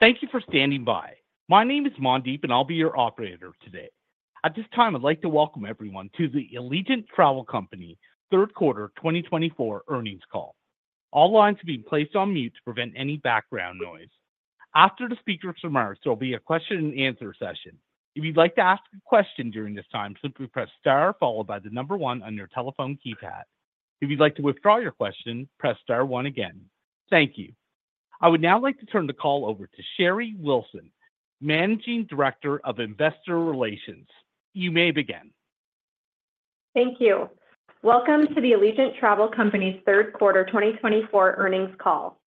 Thank you for standing by. My name is Mandeep, and I'll be your operator today. At this time, I'd like to welcome everyone to the Allegiant Travel Company Third Quarter 2024 Earnings Call. All lines are being placed on mute to prevent any background noise. After the speaker starts, there will be a question-and-answer session. If you'd like to ask a question during this time, simply press star followed by the number one on your telephone keypad. If you'd like to withdraw your question, press star one again. Thank you. I would now like to turn the call over to Sherry Wilson, Managing Director of Investor Relations. You may begin. Thank you. Welcome to the Allegiant Travel Company's Third Quarter 2024 Earnings Call.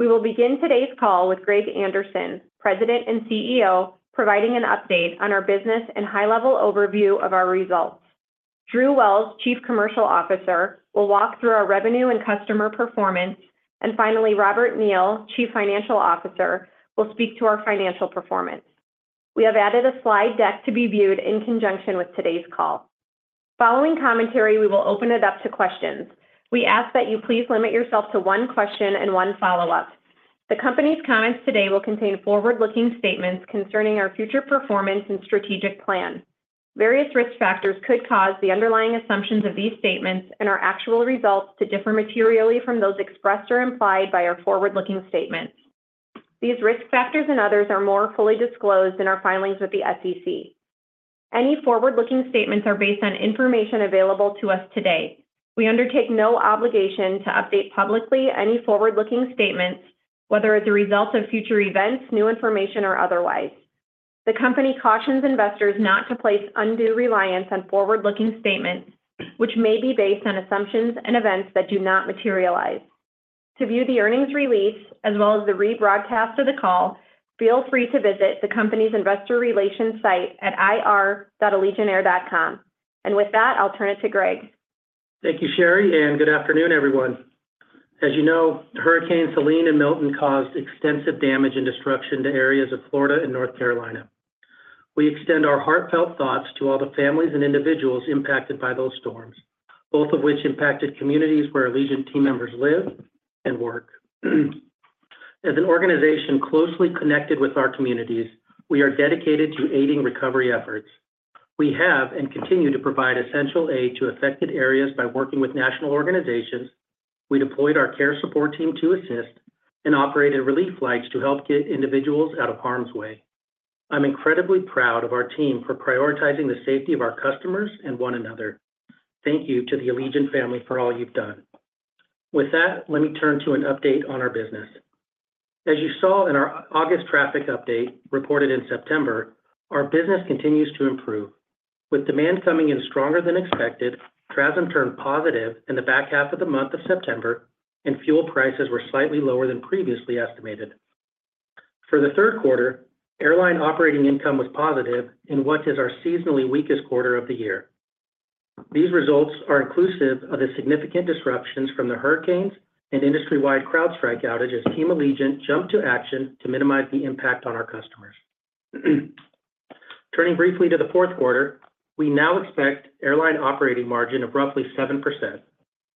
We will begin today's call with Greg Anderson, President and CEO, providing an update on our business and high-level overview of our results. Drew Wells, Chief Commercial Officer, will walk through our revenue and customer performance, and finally, Robert Neal, Chief Financial Officer, will speak to our financial performance. We have added a slide deck to be viewed in conjunction with today's call. Following commentary, we will open it up to questions. We ask that you please limit yourself to one question and one follow-up. The company's comments today will contain forward-looking statements concerning our future performance and strategic plan. Various risk factors could cause the underlying assumptions of these statements and our actual results to differ materially from those expressed or implied by our forward-looking statements. These risk factors and others are more fully disclosed in our filings with the SEC. Any forward-looking statements are based on information available to us today. We undertake no obligation to update publicly any forward-looking statements, whether as a result of future events, new information, or otherwise. The company cautions investors not to place undue reliance on forward-looking statements, which may be based on assumptions and events that do not materialize. To view the earnings release as well as the rebroadcast of the call, feel free to visit the company's investor relations site at ir.allegiantair.com. And with that, I'll turn it to Greg. Thank you, Sherry, and good afternoon, everyone. As you know, Hurricanes Helene and Milton caused extensive damage and destruction to areas of Florida and North Carolina. We extend our heartfelt thoughts to all the families and individuals impacted by those storms, both of which impacted communities where Allegiant team members live and work. As an organization closely connected with our communities, we are dedicated to aiding recovery efforts. We have and continue to provide essential aid to affected areas by working with national organizations. We deployed our care support team to assist and operated relief flights to help get individuals out of harm's way. I'm incredibly proud of our team for prioritizing the safety of our customers and one another. Thank you to the Allegiant family for all you've done. With that, let me turn to an update on our business. As you saw in our August traffic update reported in September, our business continues to improve. With demand coming in stronger than expected, TRASM turned positive in the back half of the month of September, and fuel prices were slightly lower than previously estimated. For the third quarter, airline operating income was positive in what is our seasonally weakest quarter of the year. These results are inclusive of the significant disruptions from the hurricanes and industry-wide CrowdStrike outages. Team Allegiant jumped to action to minimize the impact on our customers. Turning briefly to the fourth quarter, we now expect airline operating margin of roughly 7%.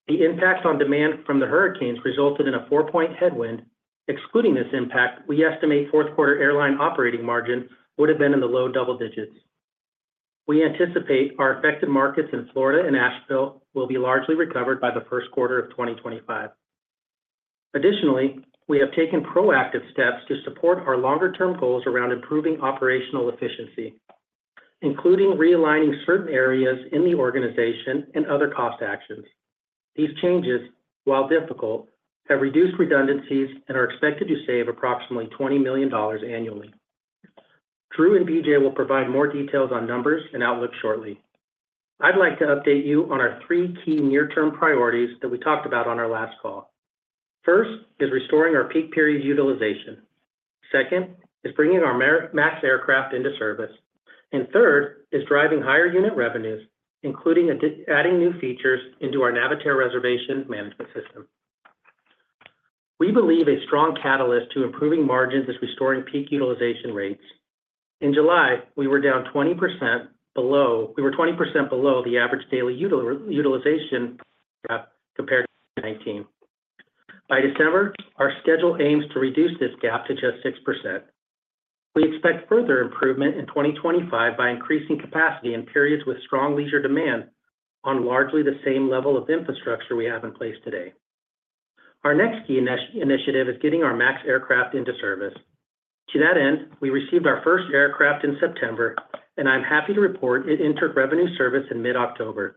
The impact on demand from the hurricanes resulted in a four-point headwind. Excluding this impact, we estimate fourth quarter airline operating margin would have been in the low double digits. We anticipate our affected markets in Florida and Asheville will be largely recovered by the first quarter of 2025. Additionally, we have taken proactive steps to support our longer-term goals around improving operational efficiency, including re-aligning certain areas in the organization and other cost actions. These changes, while difficult, have reduced redundancies and are expected to save approximately $20 million annually. Drew and BJ will provide more details on numbers and outlook shortly. I'd like to update you on our three key near-term priorities that we talked about on our last call. First is restoring our peak period utilization. Second is bringing our max aircraft into service. And third is driving higher unit revenues, including adding new features into our Navitaire reservation management system. We believe a strong catalyst to improving margins is restoring peak utilization rates. In July, we were down 20% below the average daily utilization gap compared to 2019. By December, our schedule aims to reduce this gap to just 6%. We expect further improvement in 2025 by increasing capacity in periods with strong leisure demand on largely the same level of infrastructure we have in place today. Our next key initiative is getting our MAX aircraft into service. To that end, we received our first aircraft in September, and I'm happy to report it entered revenue service in mid-October,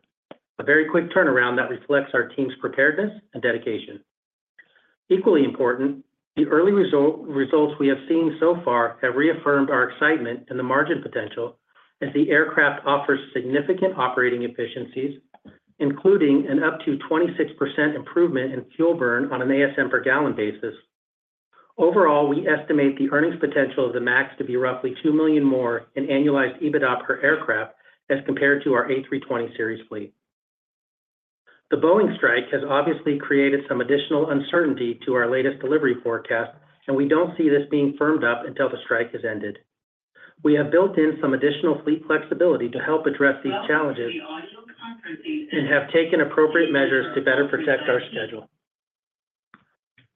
a very quick turnaround that reflects our team's preparedness and dedication. Equally important, the early results we have seen so far have reaffirmed our excitement and the margin potential as the aircraft offers significant operating efficiencies, including an up to 26% improvement in fuel burn on an ASM per gallon basis. Overall, we estimate the earnings potential of the MAX to be roughly two million more in annualized EBITDA per aircraft as compared to our A320 series fleet. The Boeing strike has obviously created some additional uncertainty to our latest delivery forecast, and we don't see this being firmed up until the strike has ended. We have built in some additional fleet flexibility to help address these challenges and have taken appropriate measures to better protect our schedule.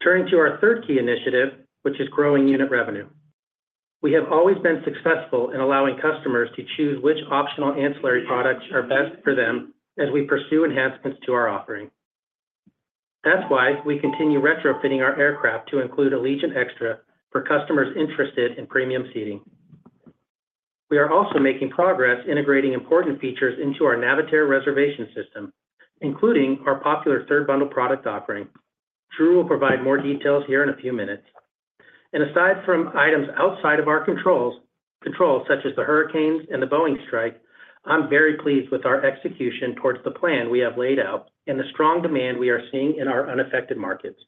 Turning to our third key initiative, which is growing unit revenue. We have always been successful in allowing customers to choose which optional ancillary products are best for them as we pursue enhancements to our offering. That's why we continue retrofitting our aircraft to include Allegiant Extra for customers interested in premium seating. We are also making progress integrating important features into our Navitaire reservation system, including our popular third bundle product offering. Drew will provide more details here in a few minutes, and aside from items outside of our controls, such as the hurricanes and the Boeing strike, I'm very pleased with our execution towards the plan we have laid out and the strong demand we are seeing in our unaffected markets.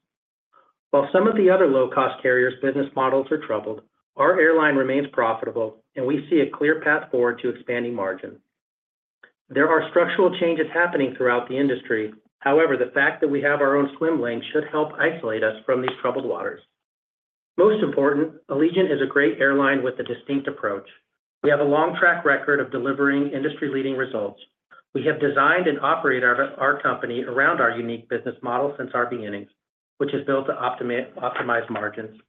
While some of the other low-cost carriers' business models are troubled, our airline remains profitable, and we see a clear path forward to expanding margin. There are structural changes happening throughout the industry. However, the fact that we have our own swim lane should help isolate us from these troubled waters. Most important, Allegiant is a great airline with a distinct approach. We have a long track record of delivering industry-leading results. We have designed and operated our company around our unique business model since our beginnings, which is built to optimize margins.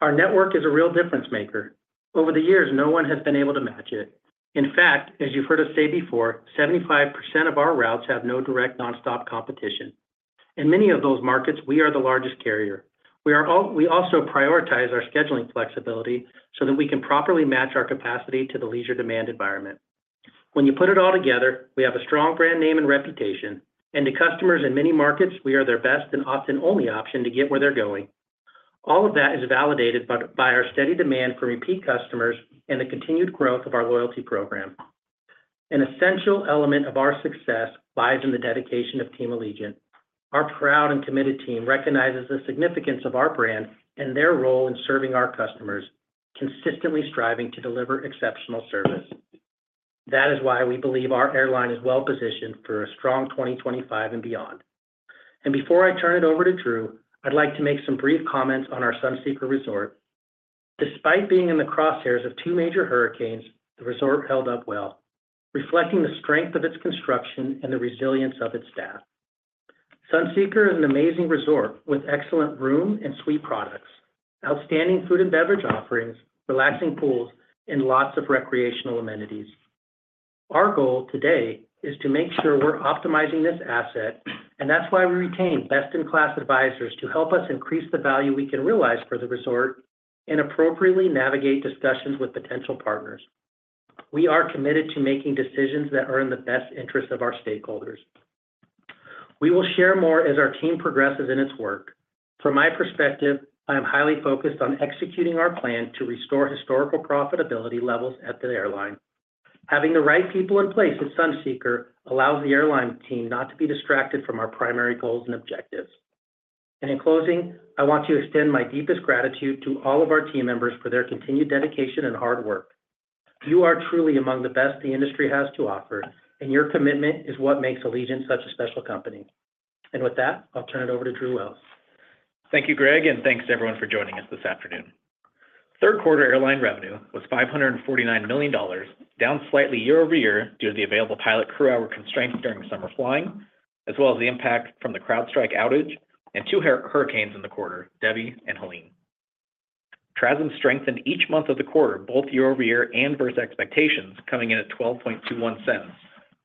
Our network is a real difference maker. Over the years, no one has been able to match it. In fact, as you've heard us say before, 75% of our routes have no direct nonstop competition. In many of those markets, we are the largest carrier. We also prioritize our scheduling flexibility so that we can properly match our capacity to the leisure demand environment. When you put it all together, we have a strong brand name and reputation, and to customers in many markets, we are their best and often only option to get where they're going. All of that is validated by our steady demand for repeat customers and the continued growth of our loyalty program. An essential element of our success lies in the dedication of Team Allegiant. Our proud and committed team recognizes the significance of our brand and their role in serving our customers, consistently striving to deliver exceptional service. That is why we believe our airline is well positioned for a strong 2025 and beyond, and before I turn it over to Drew, I'd like to make some brief comments on our Sunseeker Resort. Despite being in the crosshairs of two major hurricanes, the resort held up well, reflecting the strength of its construction and the resilience of its staff. Sunseeker is an amazing resort with excellent room and suite products, outstanding food and beverage offerings, relaxing pools, and lots of recreational amenities. Our goal today is to make sure we're optimizing this asset, and that's why we retain best-in-class advisors to help us increase the value we can realize for the resort and appropriately navigate discussions with potential partners. We are committed to making decisions that are in the best interest of our stakeholders. We will share more as our team progresses in its work. From my perspective, I am highly focused on executing our plan to restore historical profitability levels at the airline. Having the right people in place at Sunseeker allows the airline team not to be distracted from our primary goals and objectives, and in closing, I want to extend my deepest gratitude to all of our team members for their continued dedication and hard work. You are truly among the best the industry has to offer, and your commitment is what makes Allegiant such a special company, and with that, I'll turn it over to Drew Wells. Thank you, Greg, and thanks to everyone for joining us this afternoon. Third quarter airline revenue was $549 million, down slightly year over year due to the available pilot crew hour constraints during summer flying, as well as the impact from the CrowdStrike outage and two hurricanes in the quarter, Debby and Helene. TRASM strengthened each month of the quarter both year over year and versus expectations, coming in at $0.1221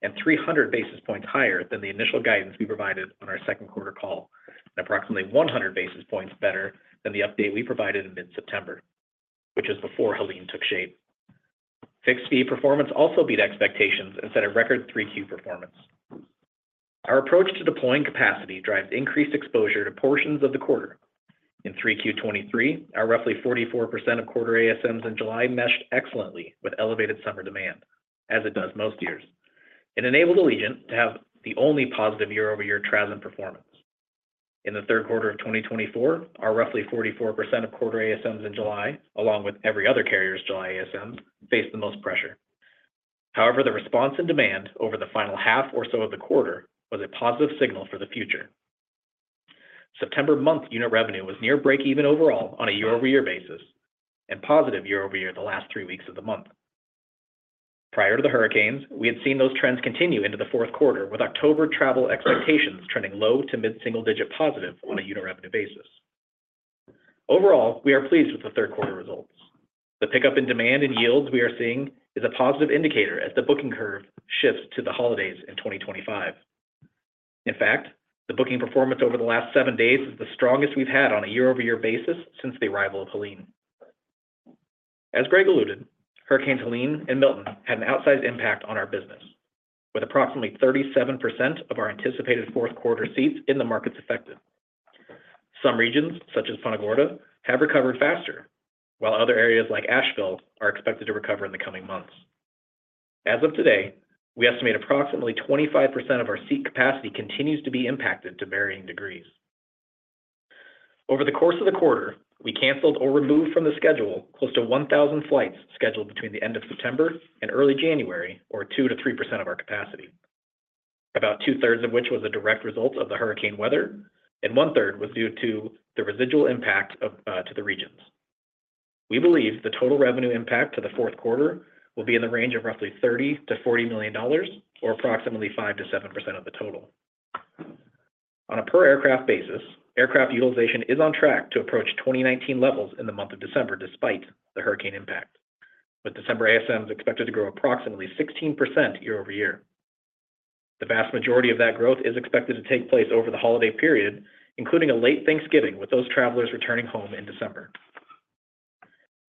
and 300 basis points higher than the initial guidance we provided on our second quarter call, and approximately 100 basis points better than the update we provided in mid-September, which is before Helene took shape. Fixed fee performance also beat expectations and set a record 3Q performance. Our approach to deploying capacity drives increased exposure to portions of the quarter. In 3Q 2023, our roughly 44% of quarter ASMs in July meshed excellently with elevated summer demand, as it does most years. It enabled Allegiant to have the only positive year-over-year TRASM performance. In the third quarter of 2024, our roughly 44% of quarter ASMs in July, along with every other carrier's July ASMs, faced the most pressure. However, the response and demand over the final half or so of the quarter was a positive signal for the future. September month unit revenue was near break-even overall on a year-over-year basis and positive year-over-year the last three weeks of the month. Prior to the hurricanes, we had seen those trends continue into the fourth quarter, with October travel expectations trending low- to mid-single-digit positive on a unit revenue basis. Overall, we are pleased with the third quarter results. The pickup in demand and yields we are seeing is a positive indicator as the booking curve shifts to the holidays in 2025. In fact, the booking performance over the last seven days is the strongest we've had on a year-over-year basis since the arrival of Helene. As Greg alluded, Hurricanes Helene and Milton had an outsized impact on our business, with approximately 37% of our anticipated fourth quarter seats in the markets affected. Some regions, such as Punta Gorda, have recovered faster, while other areas like Asheville are expected to recover in the coming months. As of today, we estimate approximately 25% of our seat capacity continues to be impacted to varying degrees. Over the course of the quarter, we canceled or removed from the schedule close to 1,000 flights scheduled between the end of September and early January, or 2-3% of our capacity, about two-thirds of which was a direct result of the hurricane weather, and one-third was due to the residual impact to the regions. We believe the total revenue impact to the fourth quarter will be in the range of roughly $30-$40 million, or approximately 5-7% of the total. On a per-aircraft basis, aircraft utilization is on track to approach 2019 levels in the month of December despite the hurricane impact, with December ASMs expected to grow approximately 16% year over year. The vast majority of that growth is expected to take place over the holiday period, including a late Thanksgiving, with those travelers returning home in December.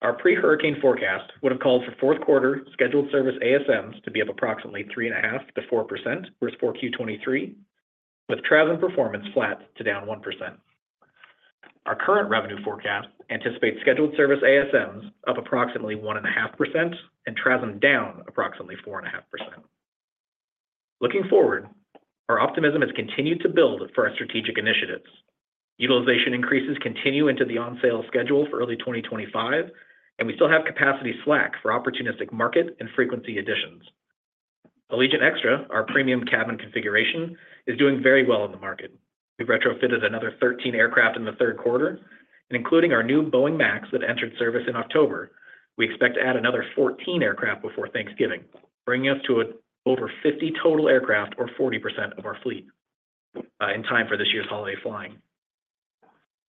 Our pre-hurricane forecast would have called for fourth quarter scheduled service ASMs to be up approximately 3.5-4% versus 4Q 2023, with TRASM performance flat to down 1%. Our current revenue forecast anticipates scheduled service ASMs up approximately 1.5% and TRASM down approximately 4.5%. Looking forward, our optimism has continued to build for our strategic initiatives. Utilization increases continue into the on-sale schedule for early 2025, and we still have capacity slack for opportunistic market and frequency additions. Allegiant Extra, our premium cabin configuration, is doing very well in the market. We've retrofitted another 13 aircraft in the third quarter, and including our new Boeing MAX that entered service in October, we expect to add another 14 aircraft before Thanksgiving, bringing us to over 50 total aircraft, or 40% of our fleet, in time for this year's holiday flying.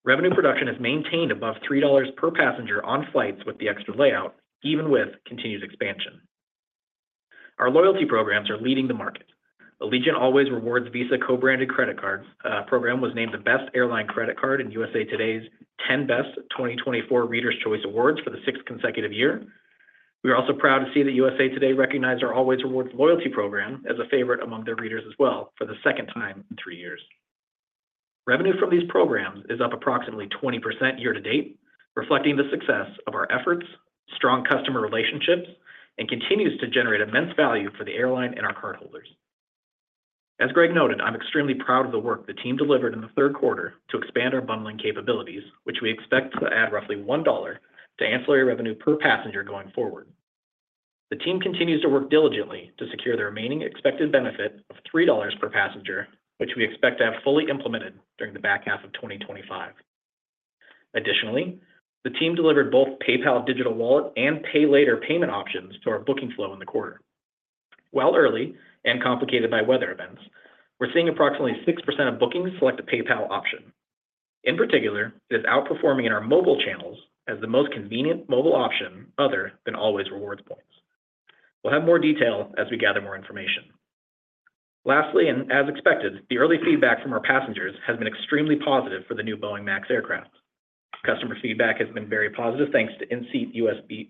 Revenue production is maintained above $3 per passenger on flights with the Allegiant Extra, even with continued expansion. Our loyalty programs are leading the market. Allegiant Allways Rewards Visa co-branded credit card program was named the best airline credit card in USA Today's 10Best 2024 Readers' Choice Awards for the sixth consecutive year. We are also proud to see that USA Today recognized our Allways Rewards loyalty program as a favorite among their readers as well for the second time in three years. Revenue from these programs is up approximately 20% year to date, reflecting the success of our efforts, strong customer relationships, and continues to generate immense value for the airline and our cardholders. As Greg noted, I'm extremely proud of the work the team delivered in the third quarter to expand our bundling capabilities, which we expect to add roughly $1 to ancillary revenue per passenger going forward. The team continues to work diligently to secure the remaining expected benefit of $3 per passenger, which we expect to have fully implemented during the back half of 2025. Additionally, the team delivered both PayPal digital wallet and Pay Later payment options to our booking flow in the quarter. While early and complicated by weather events, we're seeing approximately 6% of bookings select a PayPal option. In particular, it is outperforming in our mobile channels as the most convenient mobile option other than Allways Rewards points. We'll have more detail as we gather more information. Lastly, and as expected, the early feedback from our passengers has been extremely positive for the new Boeing MAX aircraft. Customer feedback has been very positive thanks to in-seat USB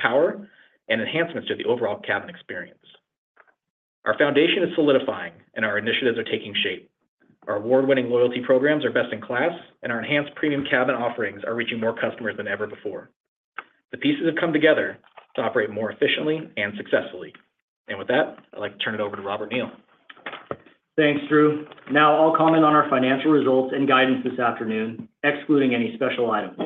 power and enhancements to the overall cabin experience. Our foundation is solidifying, and our initiatives are taking shape. Our award-winning loyalty programs are best in class, and our enhanced premium cabin offerings are reaching more customers than ever before. The pieces have come together to operate more efficiently and successfully. And with that, I'd like to turn it over to Robert Neal. Thanks, Drew. Now, I'll comment on our financial results and guidance this afternoon, excluding any special items.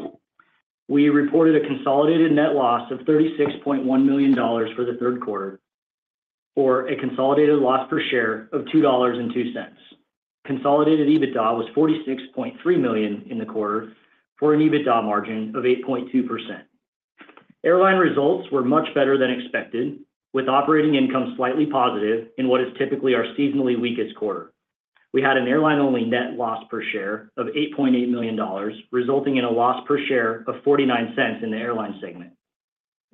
We reported a consolidated net loss of $36.1 million for the third quarter, for a consolidated loss per share of $2.02. Consolidated EBITDA was $46.3 million in the quarter for an EBITDA margin of 8.2%. Airline results were much better than expected, with operating income slightly positive in what is typically our seasonally weakest quarter. We had an airline-only net loss per share of $8.8 million, resulting in a loss per share of $0.49 in the airline segment.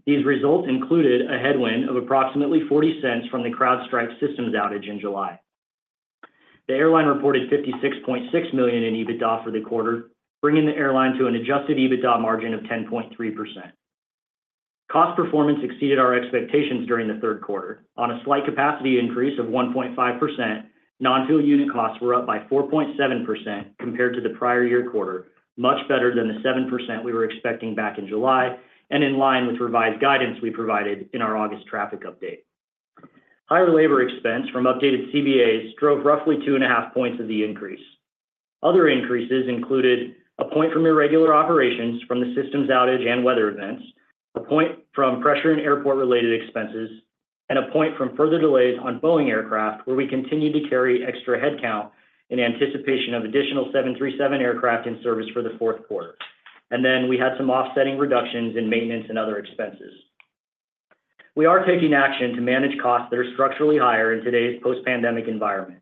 These results included a headwind of approximately $0.40 from the CrowdStrike systems outage in July. The airline reported $56.6 million in EBITDA for the quarter, bringing the airline to an adjusted EBITDA margin of 10.3%. Cost performance exceeded our expectations during the third quarter. On a slight capacity increase of 1.5%, non-fuel unit costs were up by 4.7% compared to the prior year quarter, much better than the 7% we were expecting back in July and in line with revised guidance we provided in our August traffic update. Higher labor expense from updated CBAs drove roughly 2.5 points of the increase. Other increases included a point from irregular operations from the systems outage and weather events, a point from pressure and airport-related expenses, and a point from further delays on Boeing aircraft, where we continued to carry extra headcount in anticipation of additional 737 aircraft in service for the fourth quarter. And then we had some offsetting reductions in maintenance and other expenses. We are taking action to manage costs that are structurally higher in today's post-pandemic environment.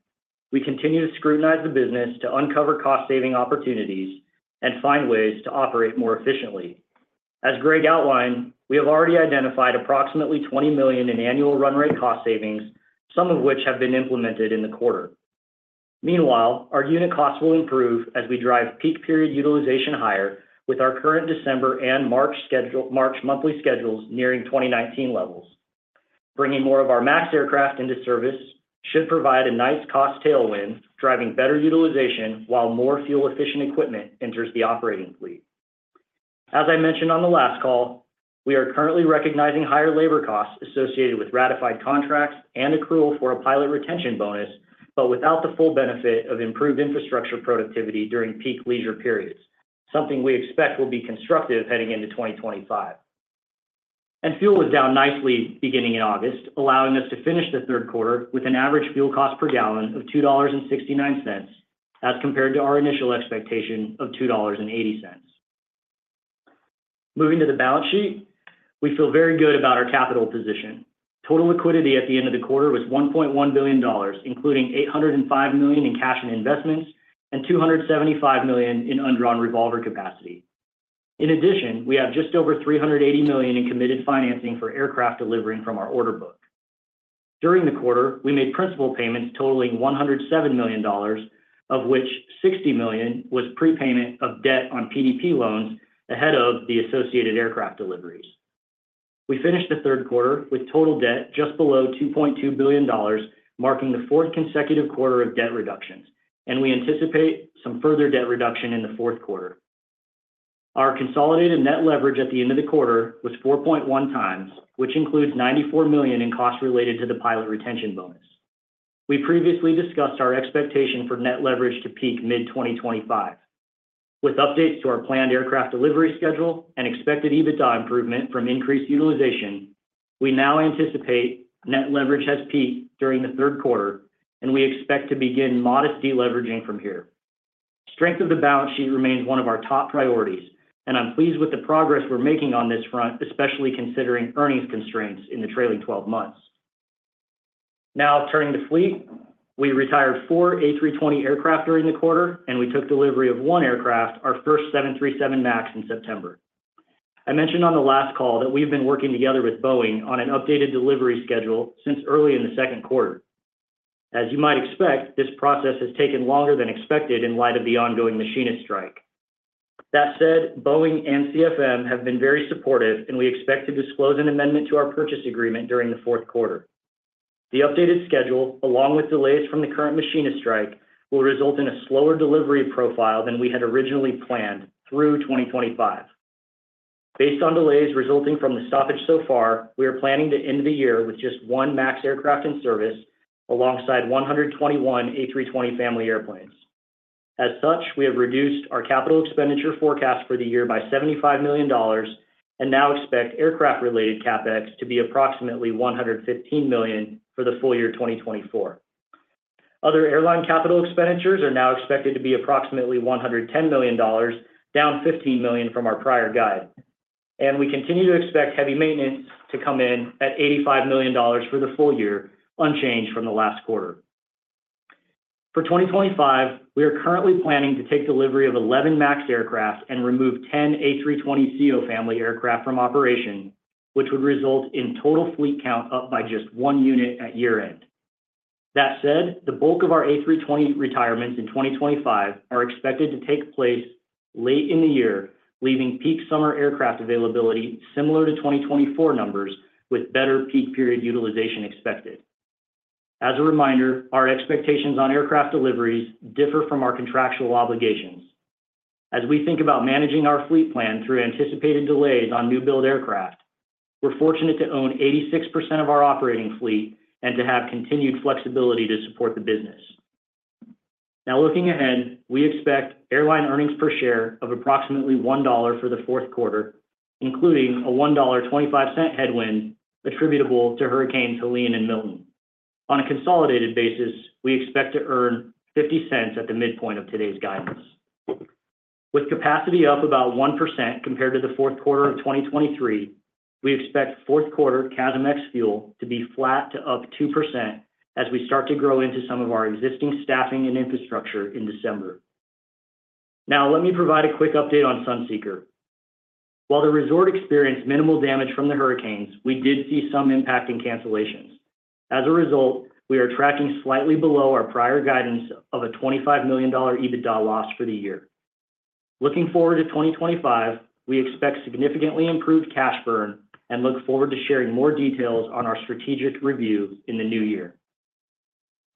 We continue to scrutinize the business to uncover cost-saving opportunities and find ways to operate more efficiently. As Greg outlined, we have already identified approximately $20 million in annual run rate cost savings, some of which have been implemented in the quarter. Meanwhile, our unit costs will improve as we drive peak period utilization higher with our current December and March monthly schedules nearing 2019 levels. Bringing more of our MAX aircraft into service should provide a nice cost tailwind, driving better utilization while more fuel-efficient equipment enters the operating fleet. As I mentioned on the last call, we are currently recognizing higher labor costs associated with ratified contracts and accrual for a pilot retention bonus, but without the full benefit of improved infrastructure productivity during peak leisure periods, something we expect will be constructive heading into 2025. And fuel was down nicely beginning in August, allowing us to finish the third quarter with an average fuel cost per gallon of $2.69 as compared to our initial expectation of $2.80. Moving to the balance sheet, we feel very good about our capital position. Total liquidity at the end of the quarter was $1.1 billion, including $805 million in cash and investments and $275 million in undrawn revolver capacity. In addition, we have just over $380 million in committed financing for aircraft delivering from our order book. During the quarter, we made principal payments totaling $107 million, of which $60 million was prepayment of debt on PDP loans ahead of the associated aircraft deliveries. We finished the third quarter with total debt just below $2.2 billion, marking the fourth consecutive quarter of debt reductions, and we anticipate some further debt reduction in the fourth quarter. Our consolidated net leverage at the end of the quarter was 4.1 times, which includes $94 million in costs related to the pilot retention bonus. We previously discussed our expectation for net leverage to peak mid-2025. With updates to our planned aircraft delivery schedule and expected EBITDA improvement from increased utilization, we now anticipate net leverage has peaked during the third quarter, and we expect to begin modest deleveraging from here. Strength of the balance sheet remains one of our top priorities, and I'm pleased with the progress we're making on this front, especially considering earnings constraints in the trailing 12 months. Now, turning to fleet, we retired four A320 aircraft during the quarter, and we took delivery of one aircraft, our first 737 MAX, in September. I mentioned on the last call that we've been working together with Boeing on an updated delivery schedule since early in the second quarter. As you might expect, this process has taken longer than expected in light of the ongoing machinist strike. That said, Boeing and CFM have been very supportive, and we expect to disclose an amendment to our purchase agreement during the fourth quarter. The updated schedule, along with delays from the current machinist strike, will result in a slower delivery profile than we had originally planned through 2025. Based on delays resulting from the stoppage so far, we are planning to end the year with just one MAX aircraft in service alongside 121 A320 family airplanes. As such, we have reduced our capital expenditure forecast for the year by $75 million and now expect aircraft-related CapEx to be approximately $115 million for the full year 2024. Other airline capital expenditures are now expected to be approximately $110 million, down $15 million from our prior guide. We continue to expect heavy maintenance to come in at $85 million for the full year, unchanged from the last quarter. For 2025, we are currently planning to take delivery of 11 MAX aircraft and remove 10 A320ceo family aircraft from operation, which would result in total fleet count up by just one unit at year-end. That said, the bulk of our A320 retirements in 2025 are expected to take place late in the year, leaving peak summer aircraft availability similar to 2024 numbers, with better peak period utilization expected. As a reminder, our expectations on aircraft deliveries differ from our contractual obligations. As we think about managing our fleet plan through anticipated delays on new-build aircraft, we're fortunate to own 86% of our operating fleet and to have continued flexibility to support the business. Now, looking ahead, we expect airline earnings per share of approximately $1 for the fourth quarter, including a $1.25 headwind attributable to hurricanes Helene and Milton. On a consolidated basis, we expect to earn $0.50 at the midpoint of today's guidance. With capacity up about 1% compared to the fourth quarter of 2023, we expect fourth quarter CASM-ex fuel to be flat to up 2% as we start to grow into some of our existing staffing and infrastructure in December. Now, let me provide a quick update on Sunseeker. While the resort experienced minimal damage from the hurricanes, we did see some impact in cancellations. As a result, we are tracking slightly below our prior guidance of a $25 million EBITDA loss for the year. Looking forward to 2025, we expect significantly improved cash burn and look forward to sharing more details on our strategic review in the new year.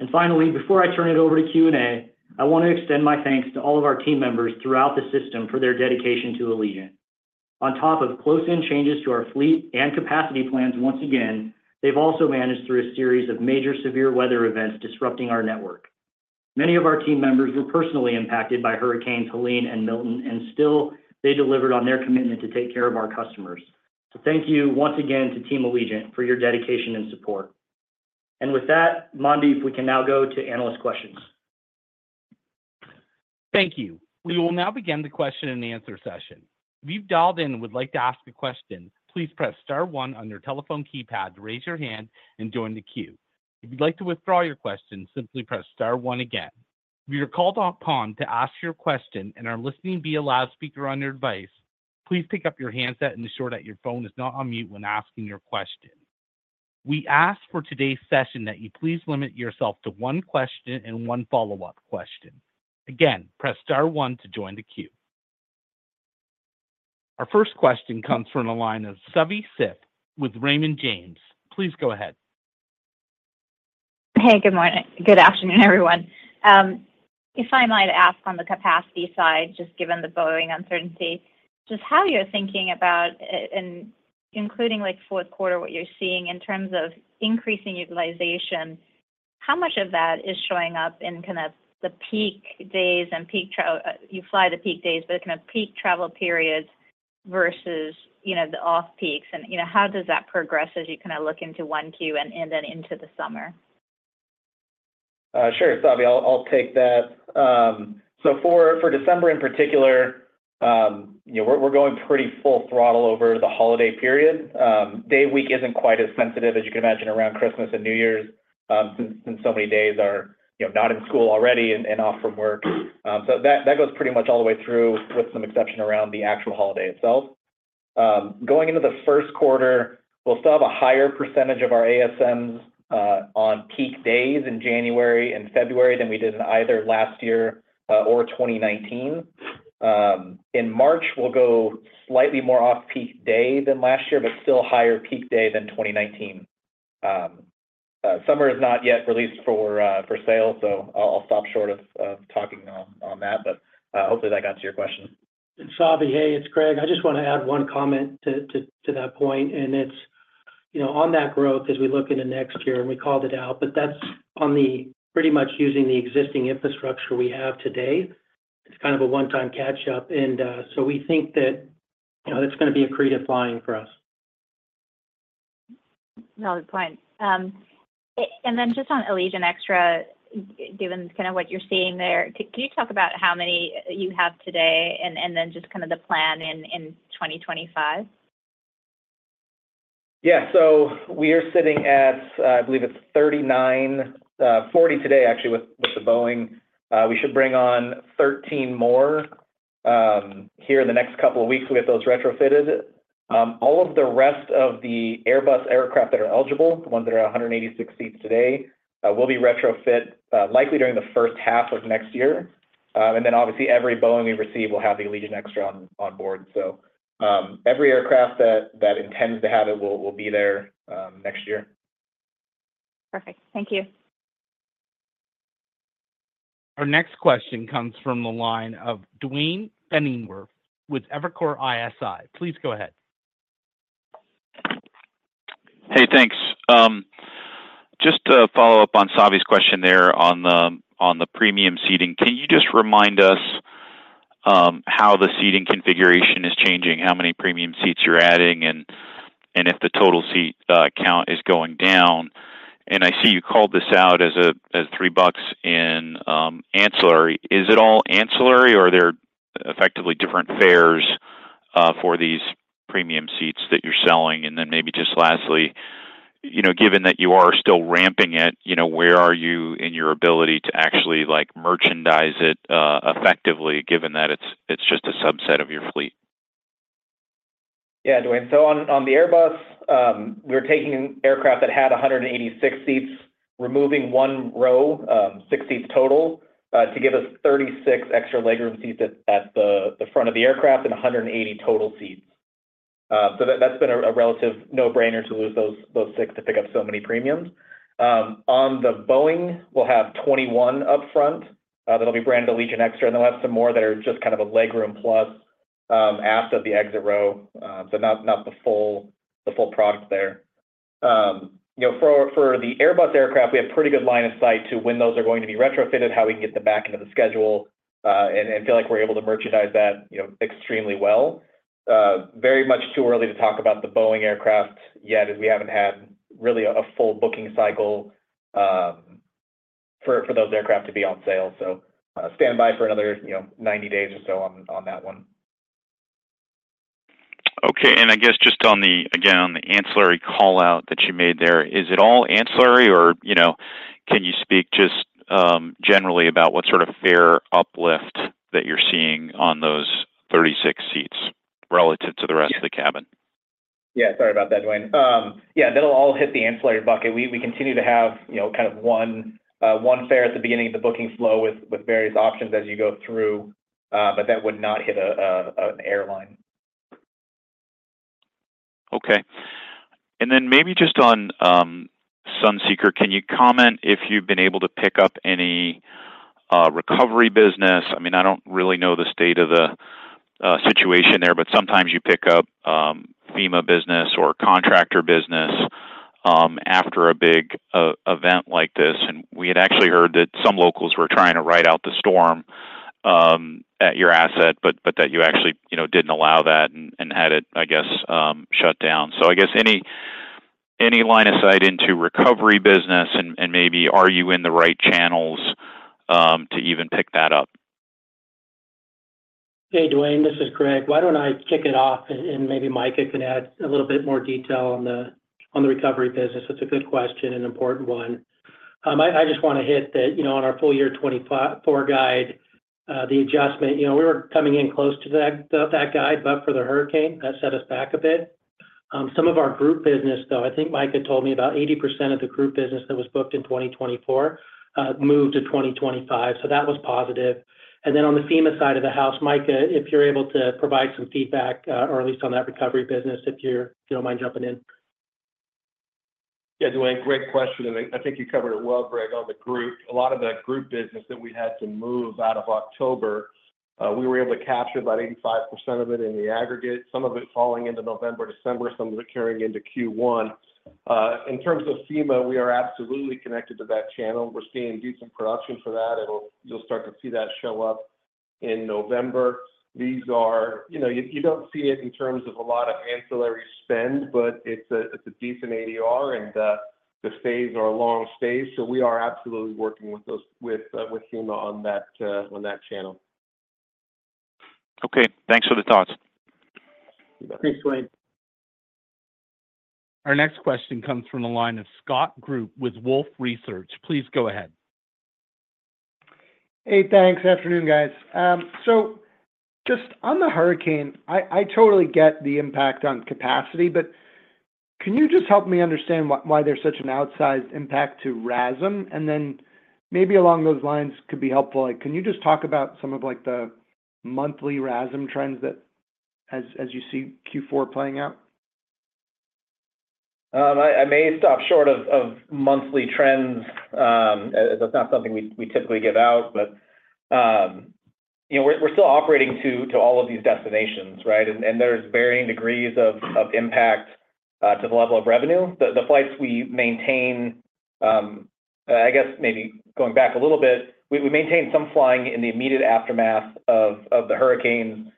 And finally, before I turn it over to Q&A, I want to extend my thanks to all of our team members throughout the system for their dedication to Allegiant. On top of close-in changes to our fleet and capacity plans once again, they've also managed through a series of major severe weather events disrupting our network. Many of our team members were personally impacted by hurricanes Helene and Milton, and still, they delivered on their commitment to take care of our customers. So thank you once again to Team Allegiant for your dedication and support. With that, Mandeep, we can now go to analyst questions. Thank you. We will now begin the question and answer session. If you've dialed in and would like to ask a question, please press star one on your telephone keypad to raise your hand and join the queue. If you'd like to withdraw your question, simply press star one again. If you're called upon to ask your question and are listening via loudspeaker on your device, please pick up your handset and ensure that your phone is not on mute when asking your question. We ask for today's session that you please limit yourself to one question and one follow-up question. Again, press star one to join the queue. Our first question comes from Savanthi Syth with Raymond James. Please go ahead. Hey, good morning. Good afternoon, everyone. If I might ask on the capacity side, just given the Boeing uncertainty, just how you're thinking about, including fourth quarter, what you're seeing in terms of increasing utilization, how much of that is showing up in kind of the peak days and peak you fly the peak days, but kind of peak travel periods versus the off-peaks? And how does that progress as you kind of look into 1Q and then into the summer? Sure, Savi, I'll take that. So for December in particular, we're going pretty full throttle over the holiday period. Weekday isn't quite as sensitive as you can imagine around Christmas and New Year's since so many days are not in school already and off from work. So that goes pretty much all the way through with some exception around the actual holiday itself. Going into the first quarter, we'll still have a higher percentage of our ASMs on peak days in January and February than we did in either last year or 2019. In March, we'll go slightly more off-peak day than last year, but still higher peak day than 2019. Summer is not yet released for sale, so I'll stop short of talking on that, but hopefully that got to your question. Savanthi, hey, it's Greg. I just want to add one comment to that point. And it's on that growth as we look into next year, and we called it out, but that's on the pretty much using the existing infrastructure we have today. It's kind of a one-time catch-up. And so we think that that's going to be a creative flying for us. No, that's fine. And then just on Allegiant Extra, given kind of what you're seeing there, can you talk about how many you have today and then just kind of the plan in 2025? Yeah. So we are sitting at, I believe it's 39, 40 today, actually, with the Boeing. We should bring on 13 more here in the next couple of weeks with those retrofitted. All of the rest of the Airbus aircraft that are eligible, the ones that are 186 seats today, will be retrofitted likely during the first half of next year. And then obviously, every Boeing we receive will have the Allegiant Extra on board. So every aircraft that intends to have it will be there next year. Perfect. Thank you. Our next question comes from the line of Duane Pfennigwerth with Evercore ISI. Please go ahead. Hey, thanks. Just to follow up on Savanthi's question there on the premium seating, can you just remind us how the seating configuration is changing, how many premium seats you're adding, and if the total seat count is going down? And I see you called this out as $3 in ancillary. Is it all ancillary, or are there effectively different fares for these premium seats that you're selling? And then maybe just lastly, given that you are still ramping it, where are you in your ability to actually merchandise it effectively, given that it's just a subset of your fleet? Yeah, Duane. So on the Airbus, we're taking an aircraft that had 186 seats, removing one row, six seats total, to give us 36 extra legroom seats at the front of the aircraft and 180 total seats. So that's been a relative no-brainer to lose those six to pick up so many premiums. On the Boeing, we'll have 21 upfront that'll be branded Allegiant Extra, and they'll have some more that are just kind of a legroom plus aft of the exit row, so not the full product there. For the Airbus aircraft, we have a pretty good line of sight to when those are going to be retrofitted, how we can get them back into the schedule, and feel like we're able to merchandise that extremely well. Very much too early to talk about the Boeing aircraft yet, as we haven't had really a full booking cycle for those aircraft to be on sale. So stand by for another 90 days or so on that one. Okay. And I guess just again on the ancillary callout that you made there, is it all ancillary, or can you speak just generally about what sort of fare uplift that you're seeing on those 36 seats relative to the rest of the cabin? Yeah, sorry about that, Duane. Yeah, that'll all hit the ancillary bucket. We continue to have kind of one fare at the beginning of the booking flow with various options as you go through, but that would not hit an airline. Okay. And then maybe just on Sunseeker, can you comment if you've been able to pick up any recovery business? I mean, I don't really know the state of the situation there, but sometimes you pick up FEMA business or contractor business after a big event like this. And we had actually heard that some locals were trying to ride out the storm at your asset, but that you actually didn't allow that and had it, I guess, shut down. So I guess any line of sight into recovery business, and maybe are you in the right channels to even pick that up? Hey, Duane, this is Greg. Why don't I kick it off, and maybe Micah can add a little bit more detail on the recovery business. It's a good question, an important one. I just want to hit that on our full year 2024 guide, the adjustment. We were coming in close to that guide, but for the hurricane, that set us back a bit. Some of our group business, though, I think Micah told me about 80% of the group business that was booked in 2024 moved to 2025. So that was positive. And then on the FEMA side of the house, Micah, if you're able to provide some feedback, or at least on that recovery business, if you don't mind jumping in. Yeah, Duane, great question, and I think you covered it well, Greg, on the group. A lot of that group business that we had to move out of October, we were able to capture about 85% of it in the aggregate, some of it falling into November, December, some of it carrying into Q1. In terms of FEMA, we are absolutely connected to that channel. We're seeing decent production for that, and you'll start to see that show up in November. You don't see it in terms of a lot of ancillary spend, but it's a decent ADR, and the stays are long stays, so we are absolutely working with FEMA on that channel. Okay. Thanks for the thoughts. Thanks, Duane. Our next question comes from the line of Scott Group with Wolfe Research. Please go ahead. Hey, thanks. Afternoon, guys. So just on the hurricane, I totally get the impact on capacity, but can you just help me understand why there's such an outsized impact to RASM? And then maybe along those lines could be helpful, can you just talk about some of the monthly RASM trends as you see Q4 playing out? I may stop short of monthly trends. That's not something we typically give out, but we're still operating to all of these destinations, right? And there's varying degrees of impact to the level of revenue. The flights we maintain, I guess maybe going back a little bit, we maintain some flying in the immediate aftermath of the hurricanes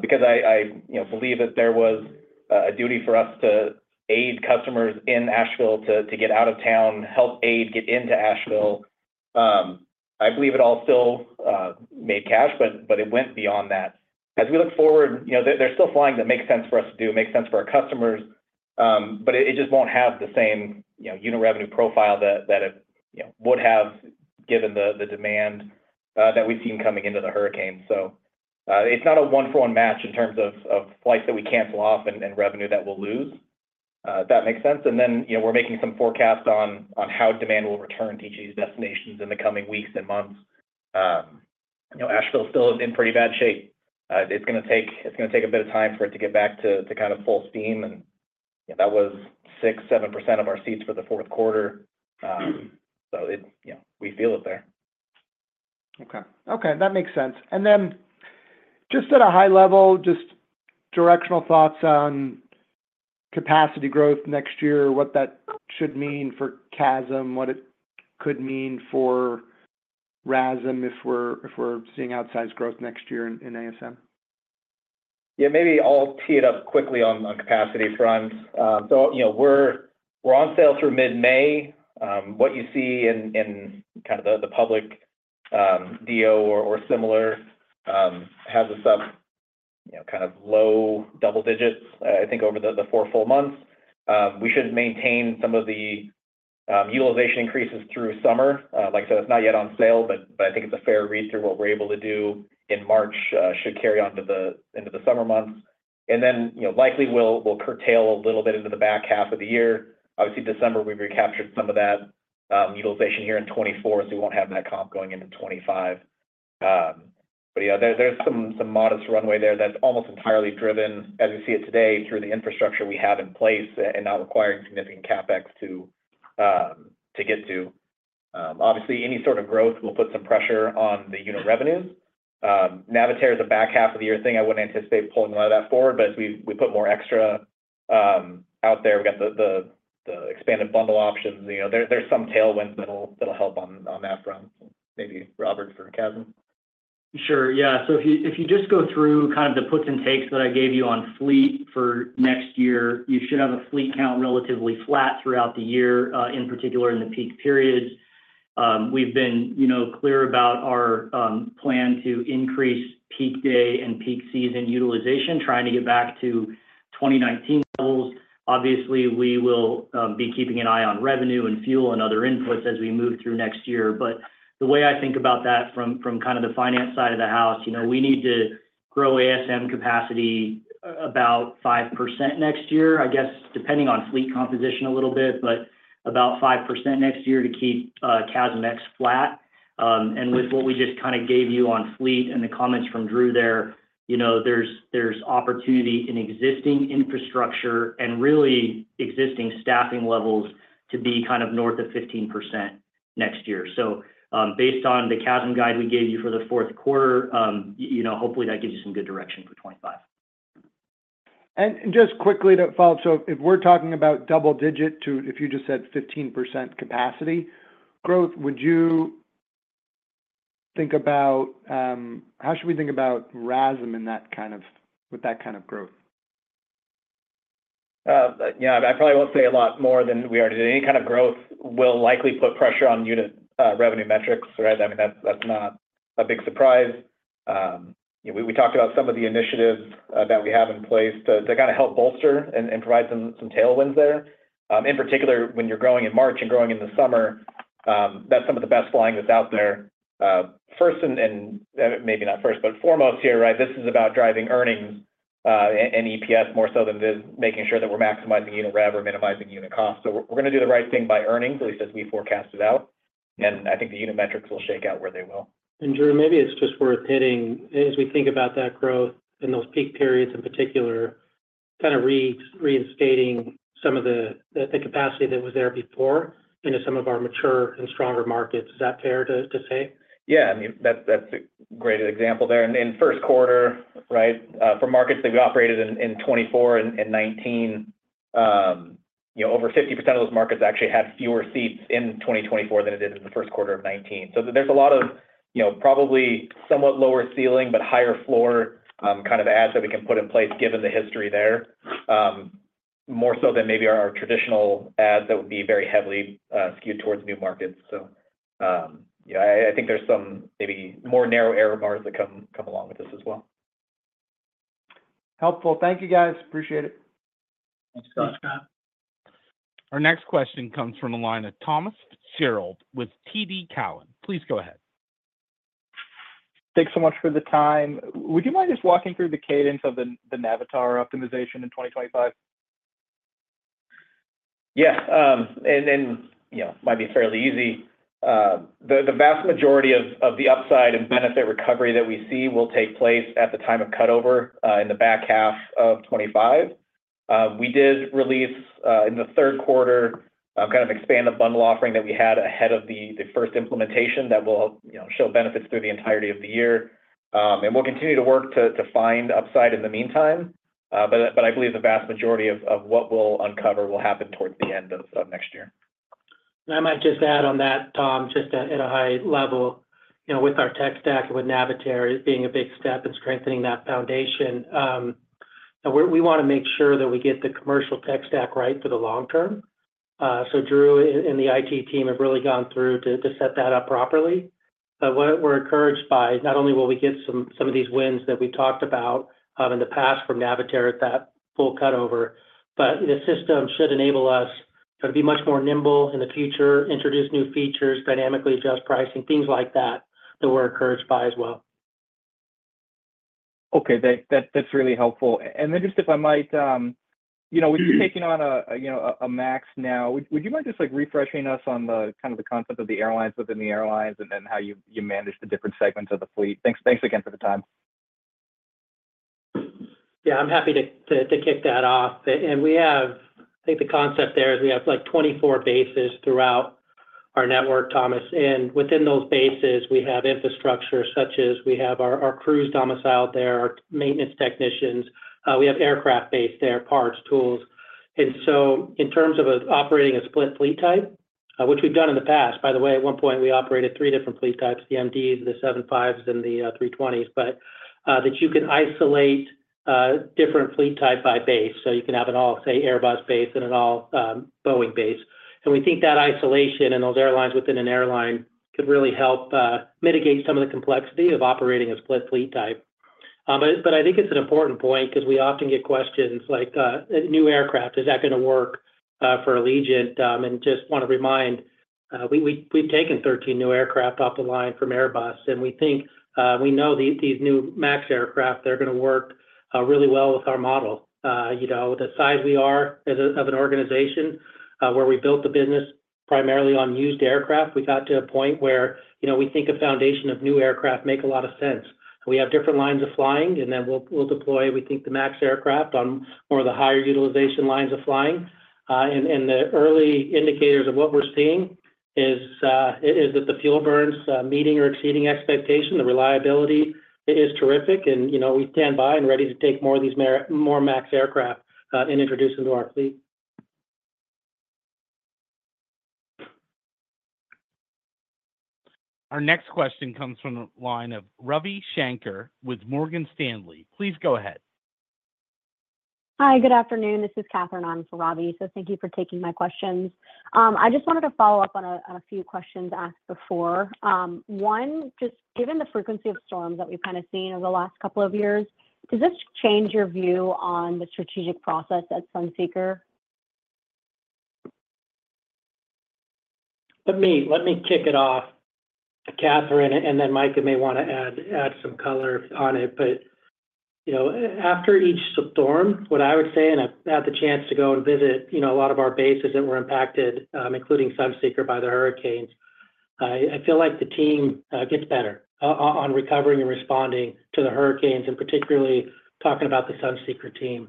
because I believe that there was a duty for us to aid customers in Asheville to get out of town, help aid get into Asheville. I believe it all still made cash, but it went beyond that. As we look forward, there's still flying that makes sense for us to do, makes sense for our customers, but it just won't have the same unit revenue profile that it would have given the demand that we've seen coming into the hurricane. So it's not a one-for-one match in terms of flights that we cancel off and revenue that we'll lose. If that makes sense. And then we're making some forecasts on how demand will return to each of these destinations in the coming weeks and months. Asheville's still in pretty bad shape. It's going to take a bit of time for it to get back to kind of full steam, and that was 6%-7% of our seats for the fourth quarter. So we feel it there. Okay. Okay. That makes sense. And then just at a high level, just directional thoughts on capacity growth next year, what that should mean for CASM, what it could mean for RASM if we're seeing outsized growth next year in ASM? Yeah, maybe I'll tee it up quickly on capacity front. So we're on sale through mid-May. What you see in kind of the public Diio or similar has us up kind of low double digits, I think, over the four full months. We should maintain some of the utilization increases through summer. Like I said, it's not yet on sale, but I think it's a fair read through what we're able to do in March should carry on into the summer months, and then likely we'll curtail a little bit into the back half of the year. Obviously, December, we recaptured some of that utilization here in 2024, so we won't have that comp going into 2025, but yeah, there's some modest runway there that's almost entirely driven, as we see it today, through the infrastructure we have in place and not requiring significant CapEx to get to. Obviously, any sort of growth will put some pressure on the unit revenues. Navitaire is a back half of the year thing. I wouldn't anticipate pulling a lot of that forward, but as we put more extra out there, we got the expanded bundle options. There's some tailwinds that'll help on that front. Maybe Robert for CASM? Sure. Yeah. So if you just go through kind of the puts and takes that I gave you on fleet for next year, you should have a fleet count relatively flat throughout the year, in particular in the peak periods. We've been clear about our plan to increase peak day and peak season utilization, trying to get back to 2019 levels. Obviously, we will be keeping an eye on revenue and fuel and other inputs as we move through next year. But the way I think about that from kind of the finance side of the house, we need to grow ASM capacity about 5% next year, I guess, depending on fleet composition a little bit, but about 5% next year to keep CASM-ex flat. And with what we just kind of gave you on fleet and the comments from Drew there, there's opportunity in existing infrastructure and really existing staffing levels to be kind of north of 15% next year. So based on the CASM guide we gave you for the fourth quarter, hopefully that gives you some good direction for 2025. Just quickly to follow up, so if we're talking about double digit to, if you just said 15% capacity growth, would you think about how should we think about RASM with that kind of growth? Yeah. I probably won't say a lot more than we already did. Any kind of growth will likely put pressure on unit revenue metrics, right? I mean, that's not a big surprise. We talked about some of the initiatives that we have in place to kind of help bolster and provide some tailwinds there. In particular, when you're growing in March and growing in the summer, that's some of the best flying that's out there. First, and maybe not first, but foremost here, right? This is about driving earnings and EPS more so than making sure that we're maximizing unit revenue or minimizing unit cost. So we're going to do the right thing by earnings, at least as we forecast it out. And I think the unit metrics will shake out where they will. And Drew, maybe it's just worth hitting, as we think about that growth in those peak periods in particular, kind of reinstating some of the capacity that was there before into some of our mature and stronger markets. Is that fair to say? Yeah. I mean, that's a great example there. And first quarter, right? For markets that we operated in 2024 and 2019, over 50% of those markets actually had fewer seats in 2024 than it did in the first quarter of 2019. So there's a lot of probably somewhat lower ceiling, but higher floor kind of ads that we can put in place given the history there, more so than maybe our traditional ads that would be very heavily skewed towards new markets. So I think there's some maybe more narrow error bars that come along with this as well. Helpful. Thank you, guys. Appreciate it. Thanks, Scott. Thanks, Scott. Our next question comes from the line of Thomas Fitzgerald with TD Cowen. Please go ahead. Thanks so much for the time. Would you mind just walking through the cadence of the Navitaire optimization in 2025? Yes. And it might be fairly easy. The vast majority of the upside and benefit recovery that we see will take place at the time of cutover in the back half of 2025. We did release in the third quarter kind of expand the bundle offering that we had ahead of the first implementation that will show benefits through the entirety of the year. And we'll continue to work to find upside in the meantime, but I believe the vast majority of what we'll uncover will happen towards the end of next year. And I might just add on that, Tom, just at a high level, with our tech stack and with Navitaire being a big step in strengthening that foundation, we want to make sure that we get the commercial tech stack right for the long term. So Drew and the IT team have really gone through to set that up properly. But we're encouraged by not only will we get some of these wins that we've talked about in the past from Navitaire at that full cutover, but the system should enable us to be much more nimble in the future, introduce new features, dynamically adjust pricing, things like that that we're encouraged by as well. Okay. Thanks. That's really helpful. And then just if I might, we've been taking on a MAX now. Would you mind just refreshing us on kind of the concept of the airlines within the airlines and then how you manage the different segments of the fleet? Thanks again for the time. Yeah. I'm happy to kick that off. And I think the concept there is we have 24 bases throughout our network, Thomas. And within those bases, we have infrastructure such as we have our crews domiciled there, our maintenance technicians. We have aircraft base there, parts, tools. And so in terms of operating a split fleet type, which we've done in the past, by the way, at one point, we operated three different fleet types: the MDs, the 75s, and the 320s, but that you can isolate different fleet type by base. So you can have it all, say, Airbus base and it all Boeing base. And we think that isolation and those airlines within an airline could really help mitigate some of the complexity of operating a split fleet type. But I think it's an important point because we often get questions like, "New aircraft, is that going to work for Allegiant?" And just want to remind, we've taken 13 new aircraft off the line from Boeing, and we think we know these new MAX aircraft, they're going to work really well with our model. The size we are as an organization where we built the business primarily on used aircraft, we got to a point where we think a foundation of new aircraft makes a lot of sense. We have different lines of flying, and then we'll deploy, we think, the MAX aircraft on more of the higher utilization lines of flying. And the early indicators of what we're seeing is that the fuel burns meeting or exceeding expectation, the reliability is terrific, and we stand by and are ready to take more of these MAX aircraft and introduce them to our fleet. Our next question comes from the line of Ravi Shankar with Morgan Stanley. Please go ahead. Hi, good afternoon. This is Catherine. I'm for Ravi. So thank you for taking my questions. I just wanted to follow up on a few questions asked before. One, just given the frequency of storms that we've kind of seen over the last couple of years, does this change your view on the strategic process at Sunseeker? Let me kick it off, Catherine, and then Micah may want to add some color on it. But after each storm, what I would say, and I've had the chance to go and visit a lot of our bases that were impacted, including Sunseeker by the hurricanes, I feel like the team gets better on recovering and responding to the hurricanes, and particularly talking about the Sunseeker team.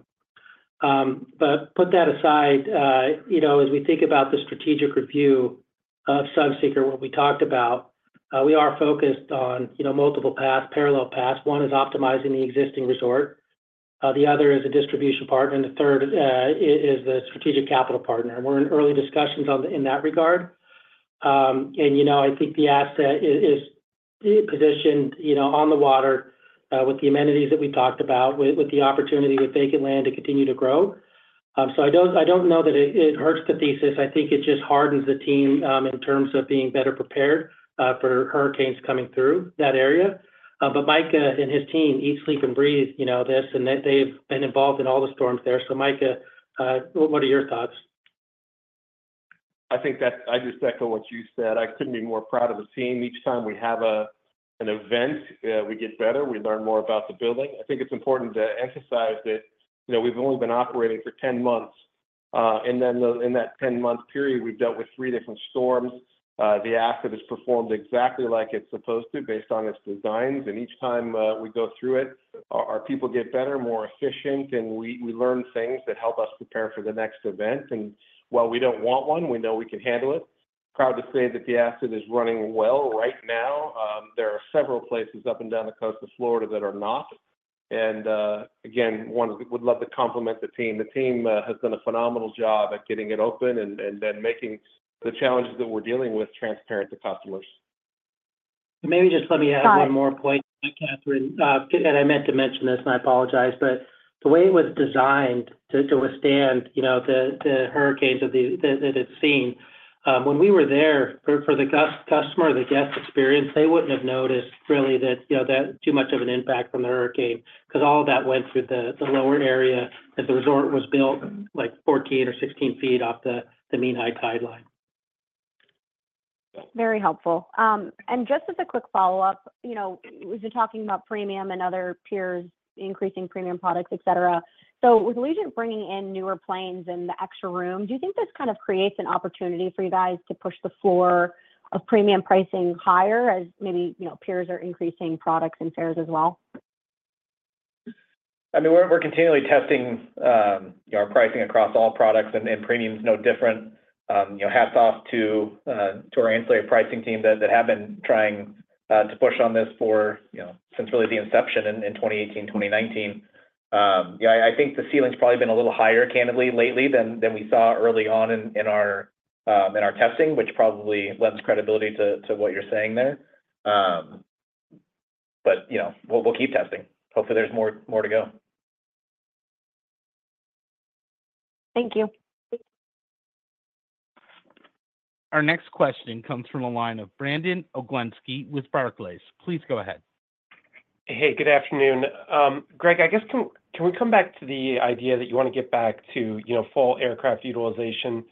But put that aside, as we think about the strategic review of Sunseeker, what we talked about, we are focused on multiple paths, parallel paths. One is optimizing the existing resort. The other is a distribution partner. And the third is the strategic capital partner. And we're in early discussions in that regard. And I think the asset is positioned on the water with the amenities that we talked about, with the opportunity with vacant land to continue to grow. So I don't know that it hurts the thesis. I think it just hardens the team in terms of being better prepared for hurricanes coming through that area. But Micah and his team eat, sleep, and breathe. They've been involved in all the storms there. So Micah, what are your thoughts? I just echo what you said. I couldn't be more proud of the team. Each time we have an event, we get better. We learn more about the building. I think it's important to emphasize that we've only been operating for 10 months. And then in that 10-month period, we've dealt with three different storms. The asset is performed exactly like it's supposed to based on its designs. And each time we go through it, our people get better, more efficient, and we learn things that help us prepare for the next event. And while we don't want one, we know we can handle it. Proud to say that the asset is running well right now. There are several places up and down the coast of Florida that are not. And again, would love to compliment the team. The team has done a phenomenal job at getting it open and then making the challenges that we're dealing with transparent to customers. Maybe just let me add one more point, Catherine, and I meant to mention this, and I apologize, but the way it was designed to withstand the hurricanes that it's seen, when we were there for the customer, the guest experience, they wouldn't have noticed really that too much of an impact from the hurricane because all of that went through the lower area that the resort was built, like 14 or 16 feet off the mean high tide line. Very helpful. And just as a quick follow-up, we've been talking about premium and other peers, increasing premium products, etc. So with Allegiant bringing in newer planes and the extra room, do you think this kind of creates an opportunity for you guys to push the floor of premium pricing higher as maybe peers are increasing products and fares as well? I mean, we're continually testing our pricing across all products, and premium is no different. Hats off to our ancillary pricing team that have been trying to push on this since really the inception in 2018, 2019. Yeah, I think the ceiling's probably been a little higher, candidly, lately than we saw early on in our testing, which probably lends credibility to what you're saying there. But we'll keep testing. Hopefully, there's more to go. Thank you. Our next question comes from a line of Brandon Oglenski with Barclays. Please go ahead. Hey, good afternoon. Greg, I guess can we come back to the idea that you want to get back to full aircraft utilization?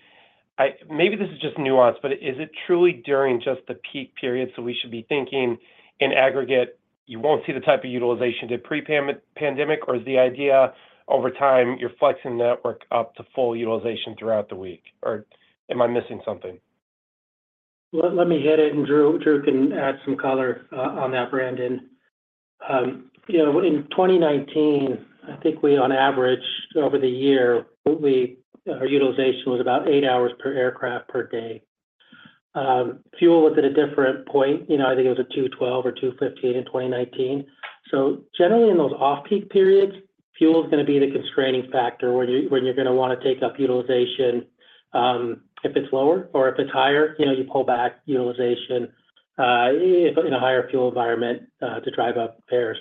Maybe this is just nuanced, but is it truly during just the peak period? So we should be thinking in aggregate, you won't see the type of utilization to pre-pandemic, or is the idea over time you're flexing the network up to full utilization throughout the week? Or am I missing something? Let me hit it, and Drew can add some color on that, Brandon. In 2019, I think we on average, over the year, our utilization was about eight hours per aircraft per day. Fuel was at a different point. I think it was a 212 or 215 in 2019. So generally, in those off-peak periods, fuel is going to be the constraining factor when you're going to want to take up utilization. If it's lower or if it's higher, you pull back utilization in a higher fuel environment to drive up fares.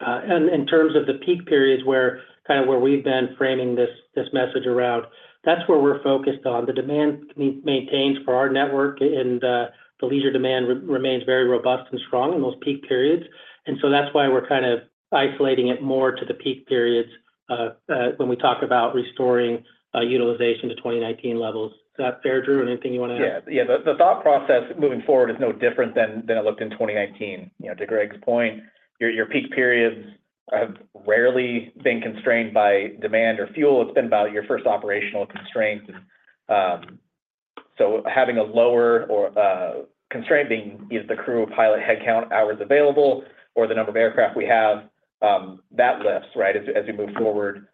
And in terms of the peak periods where kind of where we've been framing this message around, that's where we're focused on. The demand maintains for our network, and the leisure demand remains very robust and strong in those peak periods. And so that's why we're kind of isolating it more to the peak periods when we talk about restoring utilization to 2019 levels. Is that fair, Drew? Anything you want to add? Yeah. Yeah. The thought process moving forward is no different than it looked in 2019. To Greg's point, your peak periods have rarely been constrained by demand or fuel. It's been about your first operational constraint. So having a lower constraint being either the crew, pilot, headcount, hours available, or the number of aircraft we have, that lifts, right, as we move forward.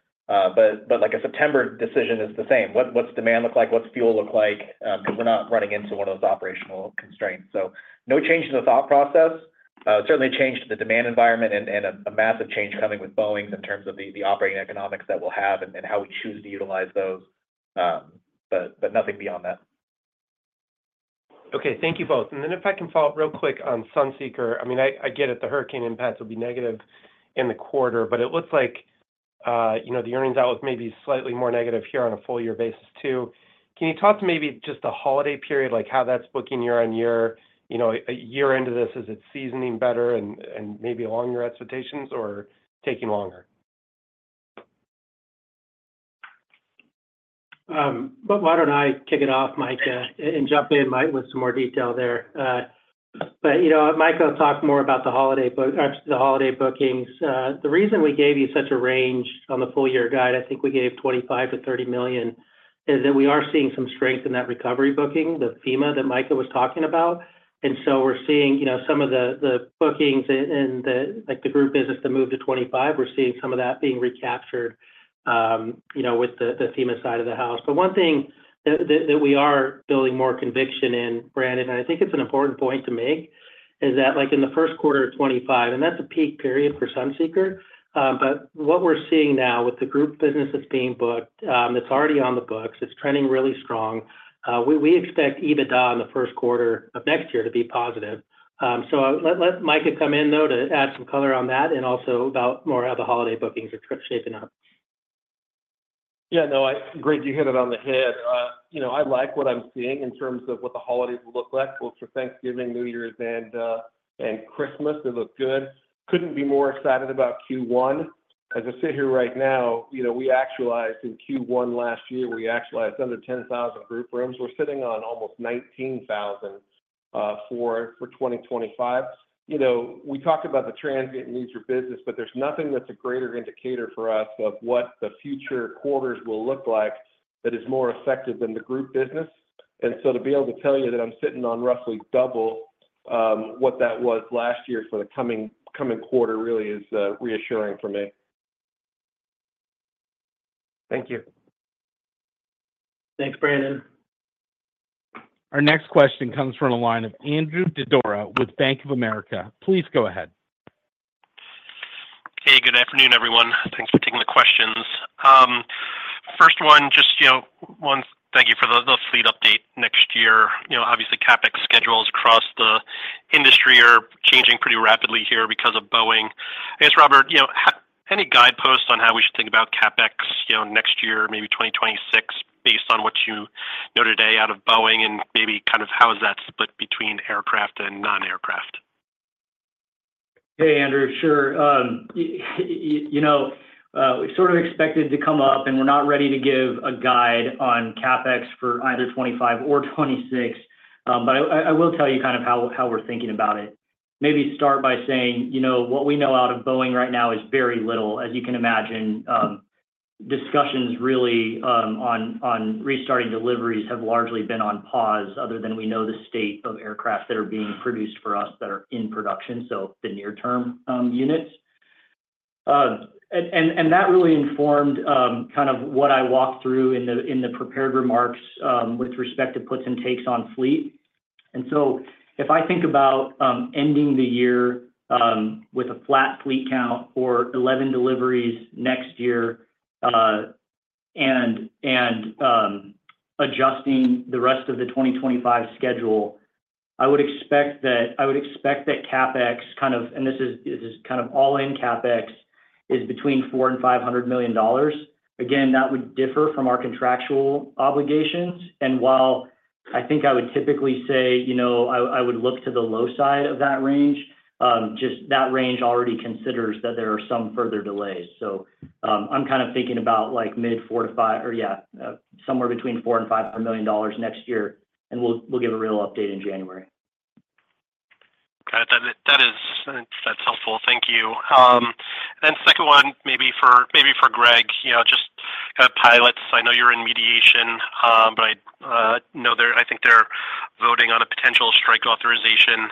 But a September decision is the same. What's demand look like? What's fuel look like? Because we're not running into one of those operational constraints. So no change in the thought process. Certainly a change to the demand environment and a massive change coming with Boeings in terms of the operating economics that we'll have and how we choose to utilize those. But nothing beyond that. Okay. Thank you both. And then if I can follow up real quick on Sunseeker. I mean, I get it. The hurricane impacts will be negative in the quarter, but it looks like the earnings outlook may be slightly more negative here on a full-year basis too. Can you talk to maybe just the holiday period, how that's booking year on year? Year into this, is it seasoning better and maybe along your expectations or taking longer? Why don't I kick it off, Micah, and jump in with some more detail there. Micah will talk more about the holiday bookings. The reason we gave you such a range on the full-year guide, I think we gave $25-30 million, is that we are seeing some strength in that recovery booking, the FEMA that Micah was talking about. We're seeing some of the bookings and the group business that moved to 25, we're seeing some of that being recaptured with the FEMA side of the house. One thing that we are building more conviction in, Brandon, and I think it's an important point to make, is that in the first quarter of 2025, and that's a peak period for Sunseeker, but what we're seeing now with the group business that's being booked, it's already on the books. It's trending really strong. We expect EBITDA in the first quarter of next year to be positive. So let Micah come in, though, to add some color on that and also about more of the holiday bookings are shaping up. Yeah. No, Greg, you hit it on the head. I like what I'm seeing in terms of what the holidays will look like. Well, for Thanksgiving, New Year's, and Christmas, they look good. Couldn't be more excited about Q1. As I sit here right now, we actualized in Q1 last year. We actualized under 10,000 group rooms. We're sitting on almost 19,000 for 2025. We talked about the transient leisure business, but there's nothing that's a greater indicator for us of what the future quarters will look like that is more effective than the group business. And so to be able to tell you that I'm sitting on roughly double what that was last year for the coming quarter really is reassuring for me. Thank you. Thanks, Brandon. Our next question comes from a line of Andrew Didora with Bank of America. Please go ahead. Hey, good afternoon, everyone. Thanks for taking the questions. First one, just thank you for the fleet update next year. Obviously, CapEx schedules across the industry are changing pretty rapidly here because of Boeing. I guess, Robert, any guideposts on how we should think about CapEx next year, maybe 2026, based on what you know today out of Boeing and maybe kind of how is that split between aircraft and non-aircraft? Hey, Andrew. Sure. We sort of expected to come up, and we're not ready to give a guide on CapEx for either 2025 or 2026. But I will tell you kind of how we're thinking about it. Maybe start by saying what we know out of Boeing right now is very little. As you can imagine, discussions really on restarting deliveries have largely been on pause other than we know the state of aircraft that are being produced for us that are in production, so the near-term units. And that really informed kind of what I walked through in the prepared remarks with respect to puts and takes on fleet. So if I think about ending the year with a flat fleet count or 11 deliveries next year and adjusting the rest of the 2025 schedule, I would expect that CapEx, kind of, and this is kind of all-in CapEx, is between $400 million and $500 million. Again, that would differ from our contractual obligations. And while I think I would typically say I would look to the low side of that range, just that range already considers that there are some further delays. So I'm kind of thinking about mid-$400 million to $500 million or, yeah, somewhere between $400 million and $500 million next year, and we'll give a real update in January. Got it. That's helpful. Thank you. And then second one, maybe for Greg, just kind of pilots. I know you're in mediation, but I know I think they're voting on a potential strike authorization.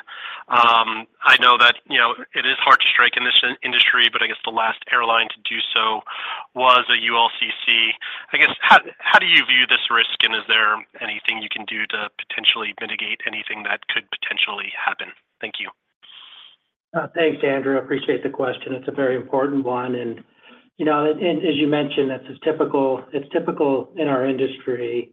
I know that it is hard to strike in this industry, but I guess the last airline to do so was a ULCC. I guess how do you view this risk, and is there anything you can do to potentially mitigate anything that could potentially happen? Thank you. Thanks, Andrew. I appreciate the question. It's a very important one. And as you mentioned, it's typical in our industry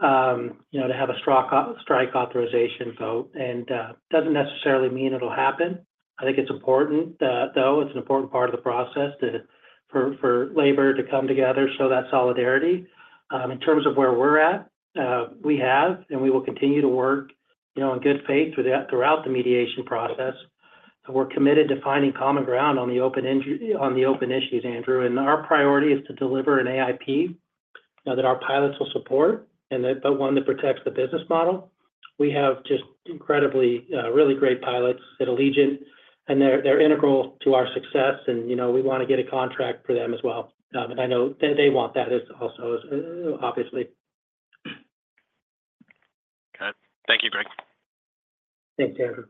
to have a strike authorization vote, and it doesn't necessarily mean it'll happen. I think it's important, though. It's an important part of the process for labor to come together, show that solidarity. In terms of where we're at, we have, and we will continue to work in good faith throughout the mediation process. We're committed to finding common ground on the open issues, Andrew. And our priority is to deliver an AIP that our pilots will support, but one that protects the business model. We have just incredibly really great pilots at Allegiant, and they're integral to our success, and we want to get a contract for them as well. And I know they want that also, obviously. Got it. Thank you, Greg. Thanks, Andrew.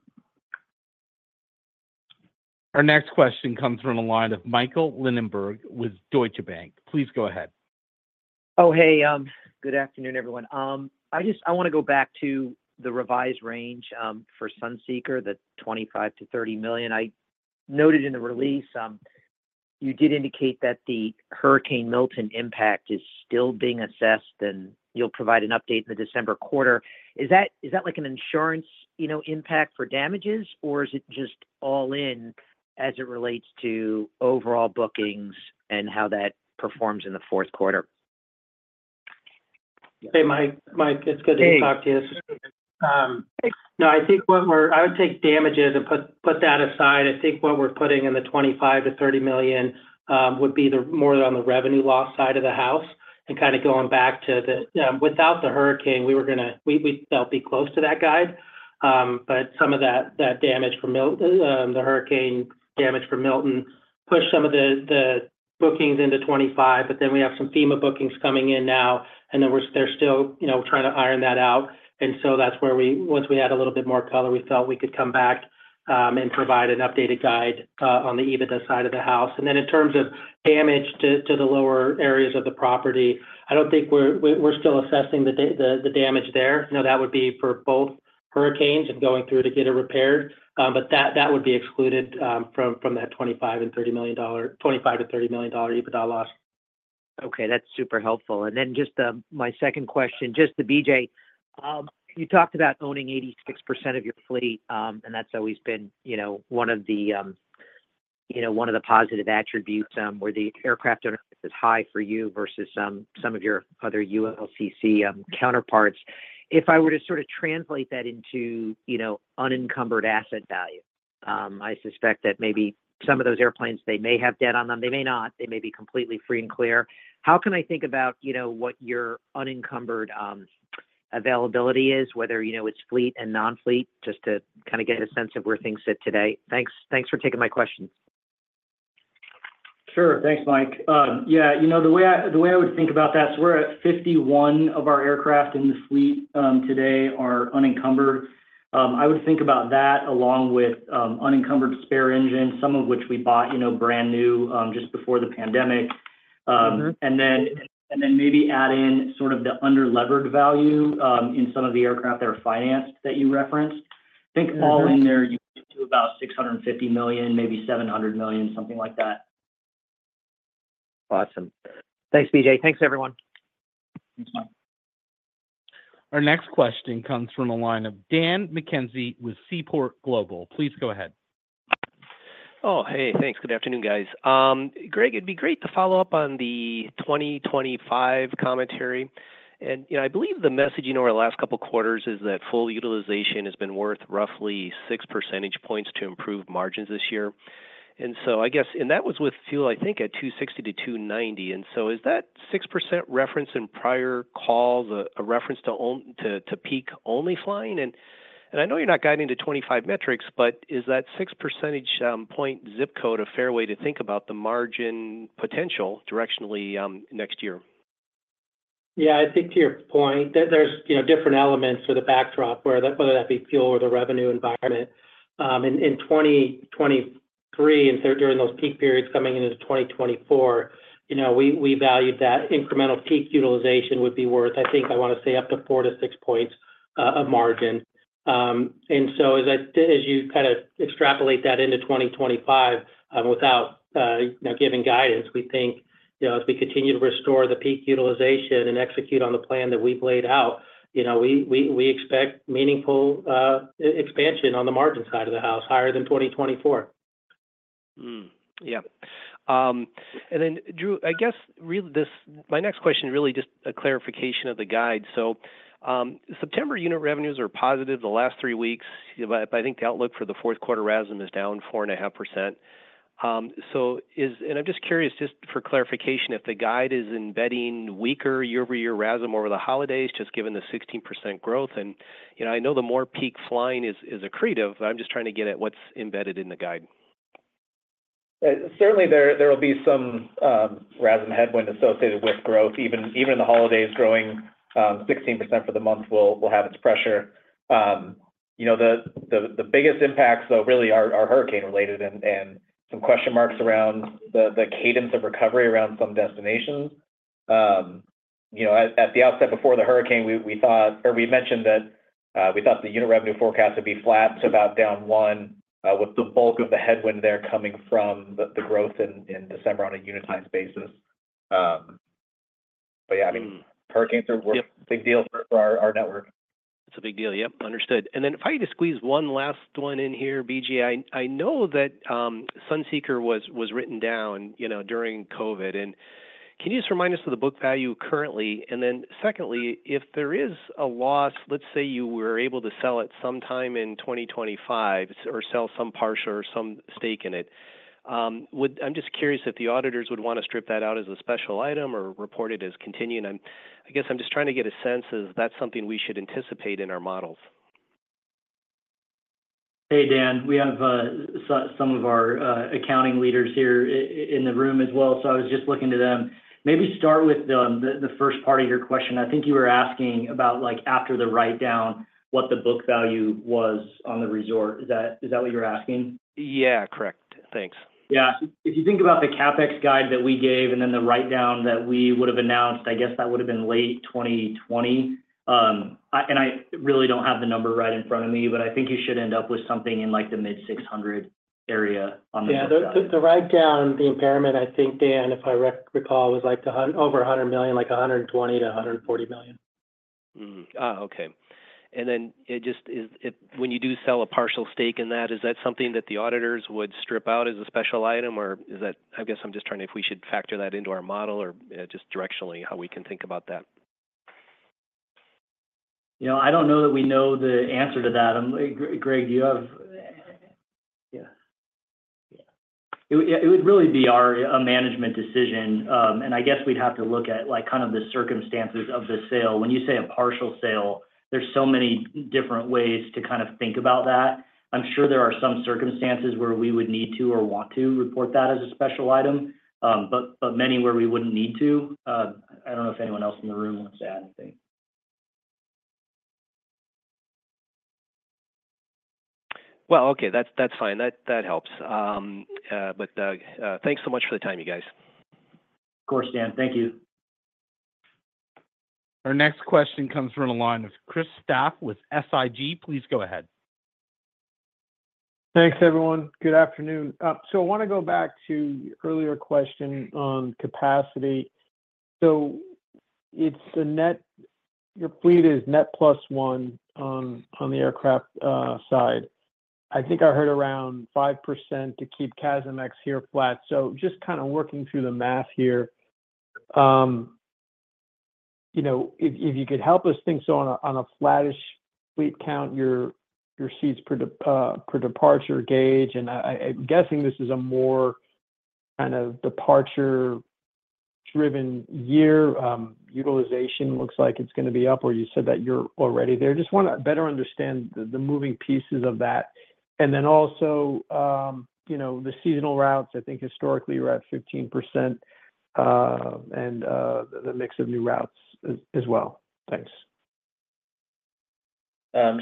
Our next question comes from a line of Michael Linenberg with Deutsche Bank. Please go ahead. Oh, hey. Good afternoon, everyone. I want to go back to the revised range for Sunseeker, the $25 million-$30 million. I noted in the release you did indicate that the Hurricane Milton impact is still being assessed, and you'll provide an update in the December quarter. Is that like an insurance impact for damages, or is it just all-in as it relates to overall bookings and how that performs in the fourth quarter? Hey, Mike. It's good to talk to you. No, I think what we're—I would take damages and put that aside. I think what we're putting in the $25-$30 million would be more on the revenue loss side of the house and kind of going back to the—without the hurricane, we were going to—we felt be close to that guide. But some of that damage from the hurricane damage for Milton pushed some of the bookings into 25, but then we have some FEMA bookings coming in now, and then they're still trying to iron that out. And so that's where we, once we had a little bit more color, we felt we could come back and provide an updated guide on the EBITDA side of the house. And then in terms of damage to the lower areas of the property, I don't think we're still assessing the damage there. That would be for both hurricanes and going through to get it repaired. But that would be excluded from that $25 million-$30 million EBITDA loss. Okay. That's super helpful. And then just my second question, just to BJ, you talked about owning 86% of your fleet, and that's always been one of the positive attributes where the aircraft ownership is high for you versus some of your other ULCC counterparts. If I were to sort of translate that into unencumbered asset value, I suspect that maybe some of those airplanes, they may have debt on them. They may not. They may be completely free and clear. How can I think about what your unencumbered availability is, whether it's fleet and non-fleet, just to kind of get a sense of where things sit today? Thanks for taking my questions. Sure. Thanks, Mike. Yeah. The way I would think about that, so we're at 51 of our aircraft in the fleet today are unencumbered. I would think about that along with unencumbered spare engines, some of which we bought brand new just before the pandemic. And then maybe add in sort of the under-levered value in some of the aircraft that are financed that you referenced. I think all in there, you get to about $650 million, maybe $700 million, something like that. Awesome. Thanks, BJ. Thanks, everyone. Thanks, Mike. Our next question comes from a line of Dan McKenzie with Seaport Global. Please go ahead. Oh, hey. Thanks. Good afternoon, guys. Greg, it'd be great to follow up on the 2025 commentary, and I believe the message over the last couple of quarters is that full utilization has been worth roughly 6 percentage points to improve margins this year, and that was with fuel, I think, at $2.60-$2.90, and so is that 6% reference in prior calls a reference to peak-only flying, and I know you're not guiding into 25 metrics, but is that 6 percentage point zip code a fair way to think about the margin potential directionally next year? Yeah. I think to your point, there's different elements for the backdrop, whether that be fuel or the revenue environment. In 2023, and during those peak periods coming into 2024, we valued that incremental peak utilization would be worth, I think, I want to say, up to 4 to 6 points of margin. And so as you kind of extrapolate that into 2025, without giving guidance, we think as we continue to restore the peak utilization and execute on the plan that we've laid out, we expect meaningful expansion on the margin side of the house higher than 2024. Yeah. And then, Drew, I guess my next question is really just a clarification of the guide. So September unit revenues are positive the last three weeks, but I think the outlook for the fourth quarter RASM is down 4.5%. And I'm just curious, just for clarification, if the guide is embedding weaker year-over-year RASM over the holidays, just given the 16% growth. And I know the more peak flying is accretive, but I'm just trying to get at what's embedded in the guide. Certainly, there will be some RASM headwind associated with growth. Even in the holidays, growing 16% for the month will have its pressure. The biggest impacts, though, really are hurricane-related and some question marks around the cadence of recovery around some destinations. At the outset before the hurricane, we thought, or we mentioned that we thought the unit revenue forecast would be flat to about down 1% with the bulk of the headwind there coming from the growth in December on a unitized basis. But yeah, I mean, hurricanes are a big deal for our network. It's a big deal. Yep. Understood. And then if I could just squeeze one last one in here, BJ, I know that Sunseeker was written down during COVID. And can you just remind us of the book value currently? And then secondly, if there is a loss, let's say you were able to sell it sometime in 2025 or sell some partial or some stake in it, I'm just curious if the auditors would want to strip that out as a special item or report it as continuing. I guess I'm just trying to get a sense of that's something we should anticipate in our models. Hey, Dan. We have some of our accounting leaders here in the room as well, so I was just looking to them. Maybe start with the first part of your question. I think you were asking about after the write-down, what the book value was on the resort. Is that what you're asking? Yeah. Correct. Thanks. Yeah. If you think about the CapEx guide that we gave and then the write-down that we would have announced, I guess that would have been late 2020, and I really don't have the number right in front of me, but I think you should end up with something in the mid-600 area on the resort. Yeah. The write-down, the impairment, I think, Dan, if I recall, was over $100 million, like $120 million-$140 million. Oh, okay. And then when you do sell a partial stake in that, is that something that the auditors would strip out as a special item, or is that, I guess I'm just trying to see if we should factor that into our model or just directionally how we can think about that. I don't know that we know the answer to that. Greg, do you have, yeah. It would really be a management decision. And I guess we'd have to look at kind of the circumstances of the sale. When you say a partial sale, there's so many different ways to kind of think about that. I'm sure there are some circumstances where we would need to or want to report that as a special item, but many where we wouldn't need to. I don't know if anyone else in the room wants to add anything. Okay. That's fine. That helps. But thanks so much for the time, you guys. Of course, Dan. Thank you. Our next question comes from a line of Christopher Stathoulopoulos with SIG. Please go ahead. Thanks, everyone. Good afternoon. So I want to go back to your earlier question on capacity. So your fleet is net plus one on the aircraft side. I think I heard around 5% to keep CASM-ex here flat. So just kind of working through the math here, if you could help us think on a flattish fleet count, your seats per departure gauge, and I'm guessing this is a more kind of departure-driven year. Utilization looks like it's going to be up, or you said that you're already there. Just want to better understand the moving pieces of that. And then also the seasonal routes, I think historically you're at 15% and the mix of new routes as well. Thanks.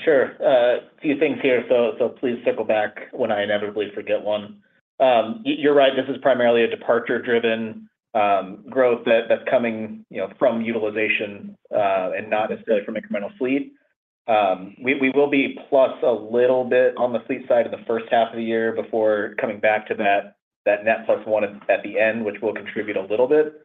Sure. A few things here, so please circle back when I inevitably forget one. You're right. This is primarily a departure-driven growth that's coming from utilization and not necessarily from incremental fleet. We will be plus a little bit on the fleet side in the first half of the year before coming back to that net plus one at the end, which will contribute a little bit.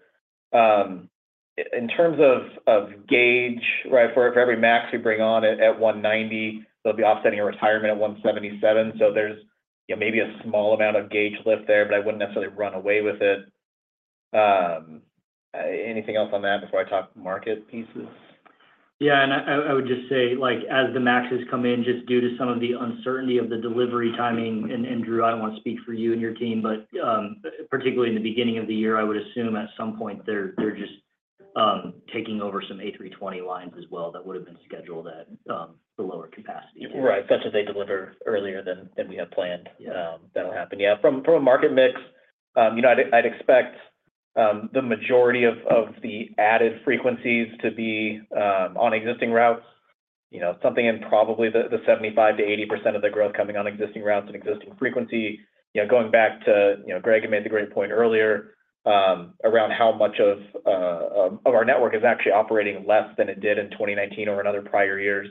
In terms of gauge, for every MAX we bring on at 190, they'll be offsetting a retirement at 177. So there's maybe a small amount of gauge lift there, but I wouldn't necessarily run away with it. Anything else on that before I talk market pieces? Yeah. And I would just say, as the MAXs come in, just due to some of the uncertainty of the delivery timing. And Drew, I don't want to speak for you and your team, but particularly in the beginning of the year, I would assume at some point they're just taking over some A320 lines as well that would have been scheduled at the lower capacity. Right. Such as they deliver earlier than we have planned. That'll happen. Yeah. From a market mix, I'd expect the majority of the added frequencies to be on existing routes, something in probably the 75%-80% of the growth coming on existing routes and existing frequency. Going back to Greg, you made the great point earlier around how much of our network is actually operating less than it did in 2019 or in other prior years,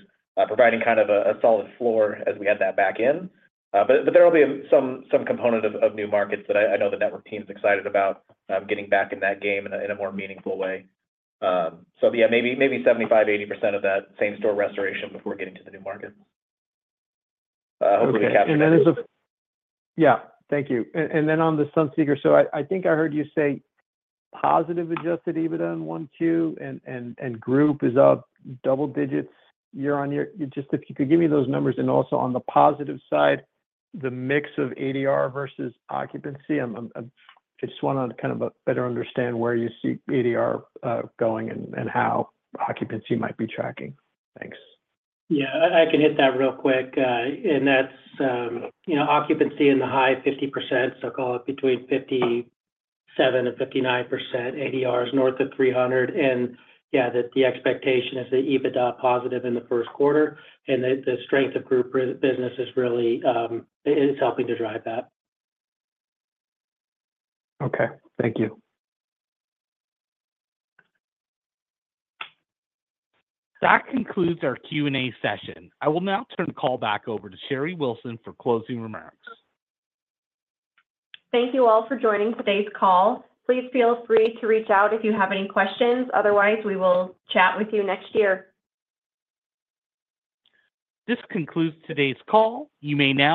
providing kind of a solid floor as we add that back in. But there will be some component of new markets that I know the network team is excited about getting back in that game in a more meaningful way. So yeah, maybe 75%-80% of that same store restoration before getting to the new markets. Hopefully, we capture that. Yeah. Thank you. And then on the Sunseeker, so I think I heard you say positive adjusted EBITDA in 1Q, and group is up double digits year on year. Just if you could give me those numbers. And also on the positive side, the mix of ADR versus occupancy. I just want to kind of better understand where you see ADR going and how occupancy might be tracking. Thanks. Yeah. I can hit that real quick. And that's occupancy in the high 50%, so call it between 57% and 59%. ADR is north of 300. And yeah, the expectation is the EBITDA positive in the first quarter. And the strength of group business is really helping to drive that. Okay. Thank you. That concludes our Q&A session. I will now turn the call back over to Sherry Wilson for closing remarks. Thank you all for joining today's call. Please feel free to reach out if you have any questions. Otherwise, we will chat with you next year. This concludes today's call. You may now.